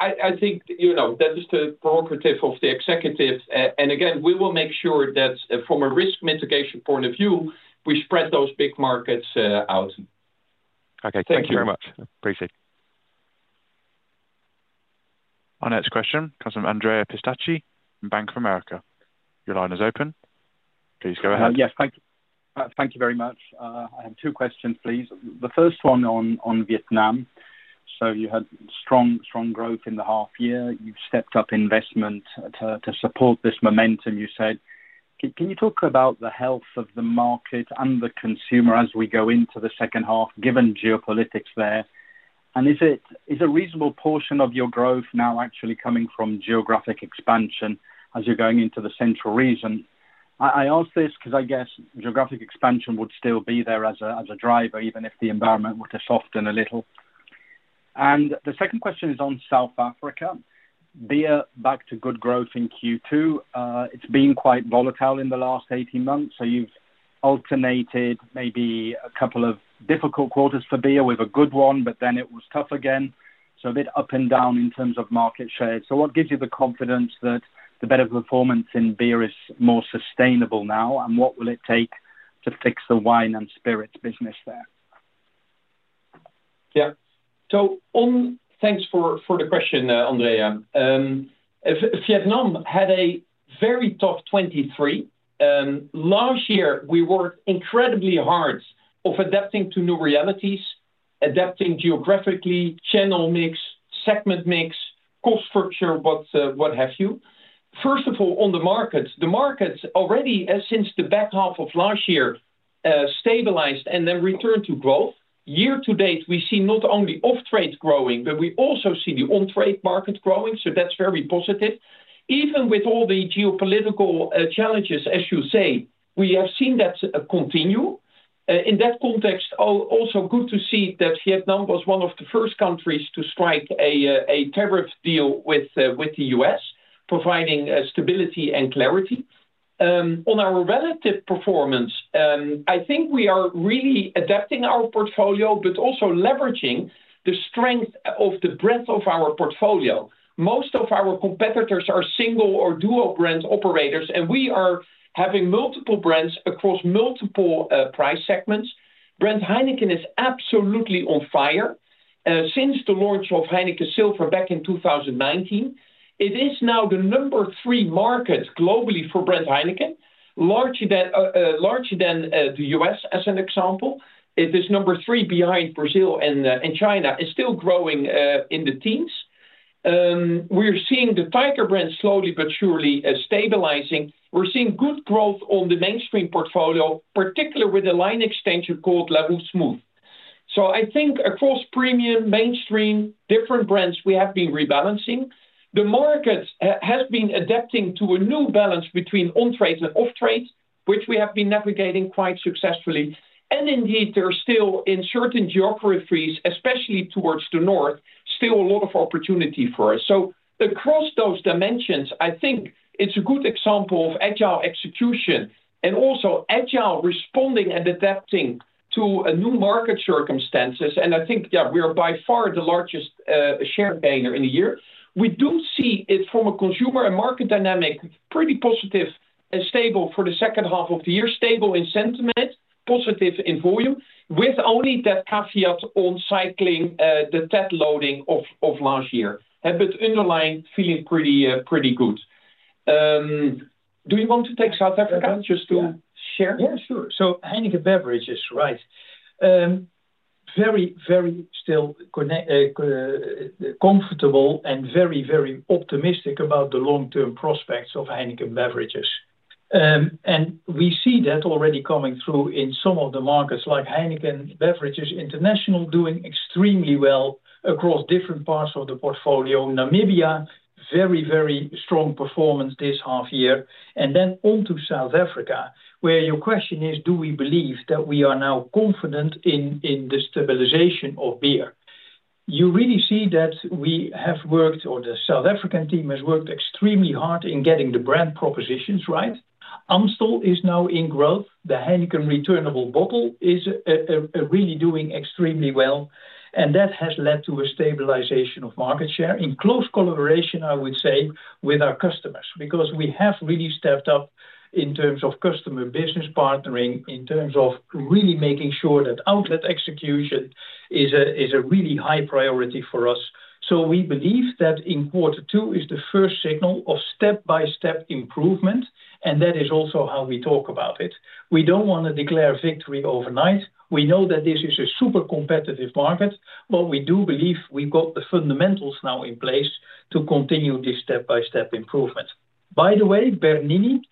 I think that is the prerogative of the executives. Again, we will make sure that from a risk mitigation point of view, we spread those big markets out. Okay. Thank you very much. Appreciate it. Our next question comes from Andrea Pistacchi from Bank of America. Your line is open. Please go ahead. Yes. Thank you. Thank you very much. I have two questions, please. The first one on Vietnam. You had strong growth in the half year. You've stepped up investment to support this momentum, you said. Can you talk about the health of the market and the consumer as we go into the second half, given geopolitics there? Is a reasonable portion of your growth now actually coming from geographic expansion as you're going into the central region? I ask this because I guess geographic expansion would still be there as a driver, even if the environment were to soften a little. The second question is on South Africa. Beer back to good growth in Q2. It has been quite volatile in the last 18 months. You have alternated maybe a couple of difficult quarters for beer with a good one, but then it was tough again. A bit up and down in terms of market shares. What gives you the confidence that the better performance in beer is more sustainable now? What will it take to fix the wine and spirits business there? Yeah. Thanks for the question, Andrea. Vietnam had a very tough 2023. Last year, we worked incredibly hard on adapting to new realities, adapting geographically, channel mix, segment mix, cost structure, what have you. First of all, on the markets, the markets already since the back half of last year stabilized and then returned to growth. Year to date, we see not only off-trade growing, but we also see the on-trade market growing. That is very positive. Even with all the geopolitical challenges, as you say, we have seen that continue. In that context, also good to see that Vietnam was one of the first countries to strike a tariff deal with the U.S., providing stability and clarity. On our relative performance, I think we are really adapting our portfolio, but also leveraging the strength of the breadth of our portfolio. Most of our competitors are single or dual-brand operators, and we are having multiple brands across multiple price segments. Brand HEINEKEN is absolutely on fire. Since the launch of HEINEKEN Silver back in 2019, it is now the number three market globally for Brand HEINEKEN, larger than the U.S., as an example. It is number three behind Brazil and China and still growing in the teens. We are seeing the Tiger brand slowly but surely stabilizing. We are seeing good growth on the mainstream portfolio, particularly with a line extension called La Rousse Mousse. I think across premium, mainstream, different brands, we have been rebalancing. The market has been adapting to a new balance between on-trade and off-trade, which we have been navigating quite successfully. Indeed, there are still, in certain geographies, especially towards the north, still a lot of opportunity for us. Across those dimensions, I think it is a good example of agile execution and also agile responding and adapting to new market circumstances. I think, yeah, we are by far the largest share gainer in the year. We do see it from a consumer and market dynamic pretty positive and stable for the second half of the year, stable in sentiment, positive in volume, with only that caveat on cycling the TET loading of last year. Underlying feeling pretty good. Do you want to take South Africa just to share? Yeah, sure. HEINEKEN Beverages, right? Very, very still. Comfortable and very, very optimistic about the long-term prospects of HEINEKEN Beverages. We see that already coming through in some of the markets like HEINEKEN Beverages International doing extremely well across different parts of the portfolio. Namibia, very, very strong performance this half year. Then onto South Africa, where your question is, do we believe that we are now confident in the stabilization of beer? You really see that we have worked, or the South African team has worked extremely hard in getting the brand propositions right. AMSTEL is now in growth. The HEINEKEN returnable bottle is really doing extremely well. That has led to a stabilization of market share in close collaboration, I would say, with our customers because we have really stepped up in terms of customer business partnering, in terms of really making sure that outlet execution is a really high priority for us. We believe that in quarter two is the first signal of step-by-step improvement, and that is also how we talk about it. We do not want to declare victory overnight. We know that this is a super competitive market, but we do believe we have got the fundamentals now in place to continue this step-by-step improvement. By the way, Bernini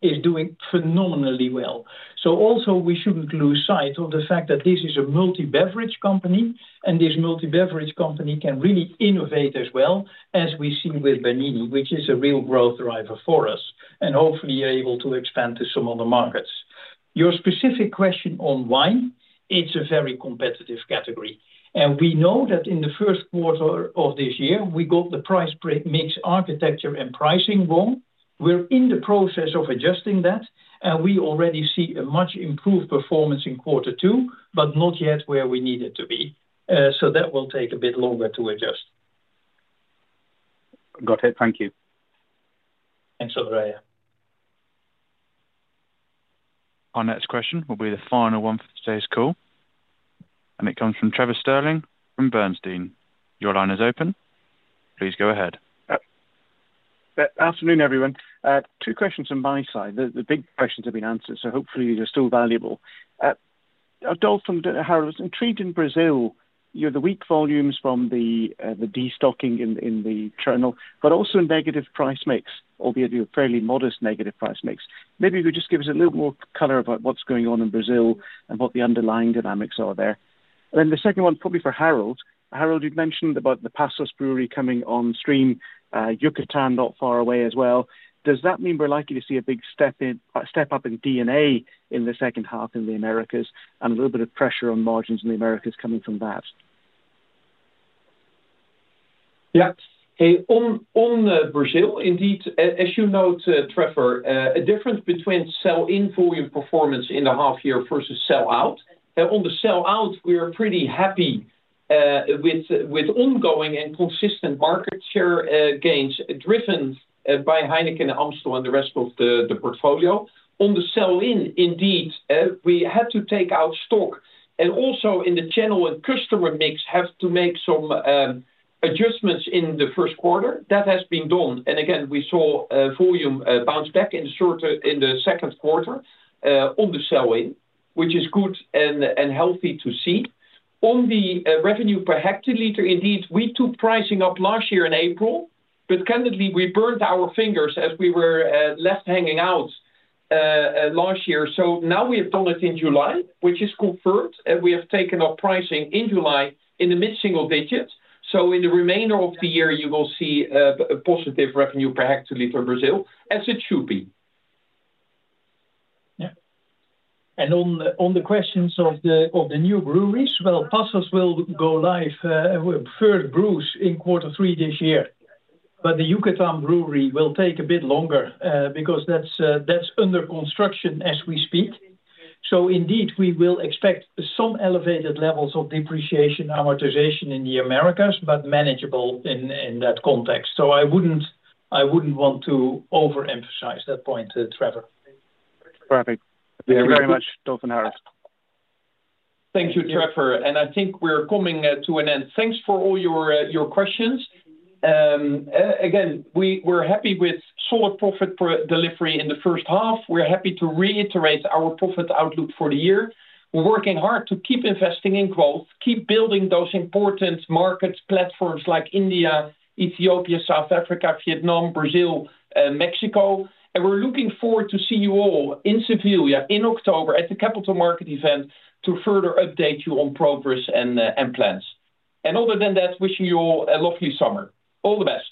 is doing phenomenally well. Also, we should not lose sight of the fact that this is a multi-beverage company, and this multi-beverage company can really innovate as well as we see with Bernini, which is a real growth driver for us, and hopefully able to expand to some other markets. Your specific question on wine, it is a very competitive category. We know that in the first quarter of this year, we got the price mix architecture and pricing wrong. We are in the process of adjusting that, and we already see a much improved performance in quarter two, but not yet where we need it to be. That will take a bit longer to adjust. Got it. Thank you. Thanks, Andrea. Our next question will be the final one for today's call. It comes from Trevor Stirling from Bernstein. Your line is open. Please go ahead. Afternoon, everyone. Two questions on my side. The big questions have been answered, so hopefully they are still valuable. Dolf, Harold, I was intrigued in Brazil. You had the weak volumes from the destocking in the channel, but also negative price mix, albeit a fairly modest negative price mix. Maybe you could just give us a little more color about what is going on in Brazil and what the underlying dynamics are there. The second one is probably for Harold. Harold, you had mentioned about the Passos brewery coming on stream, Yucatán not far away as well. Does that mean we are likely to see a big step up in DNA in the second half in the Americas and a little bit of pressure on margins in the Americas coming from that? Yeah. On Brazil, indeed, as you note, Trevor, a difference between sell-in volume performance in the half year versus sell-out. On the sell-out, we're pretty happy, with ongoing and consistent market share gains driven by HEINEKEN and AMSTEL and the rest of the portfolio. On the sell-in, indeed, we had to take out stock and also in the channel and customer mix have to make some adjustments in the first quarter. That has been done. Again, we saw volume bounce back in the second quarter on the sell-in, which is good and healthy to see. On the revenue per hectoliter, indeed, we took pricing up last year in April, but candidly, we burned our fingers as we were left hanging out last year. Now we have done it in July, which is confirmed, and we have taken up pricing in July in the mid-single digits. In the remainder of the year, you will see a positive revenue per hectoliter Brazil, as it should be. Yeah. On the questions of the new breweries, Passos will go live, first brews in quarter three this year. The Yucatán brewery will take a bit longer because that's under construction as we speak. Indeed, we will expect some elevated levels of depreciation amortization in the Americas, but manageable in that context. I wouldn't want to overemphasize that point, Trevor. Perfect. Thank you very much, Dolf and Harold. Thank you, Trevor. I think we're coming to an end. Thanks for all your questions. Again, we're happy with solid profit delivery in the first half. We're happy to reiterate our profit outlook for the year. We're working hard to keep investing in growth, keep building those important markets, platforms like India, Ethiopia, South Africa, Vietnam, Brazil, Mexico. We're looking forward to seeing you all in Seville in October at the Capital Market Event to further update you on progress and plans. Other than that, wishing you all a lovely summer. All the best.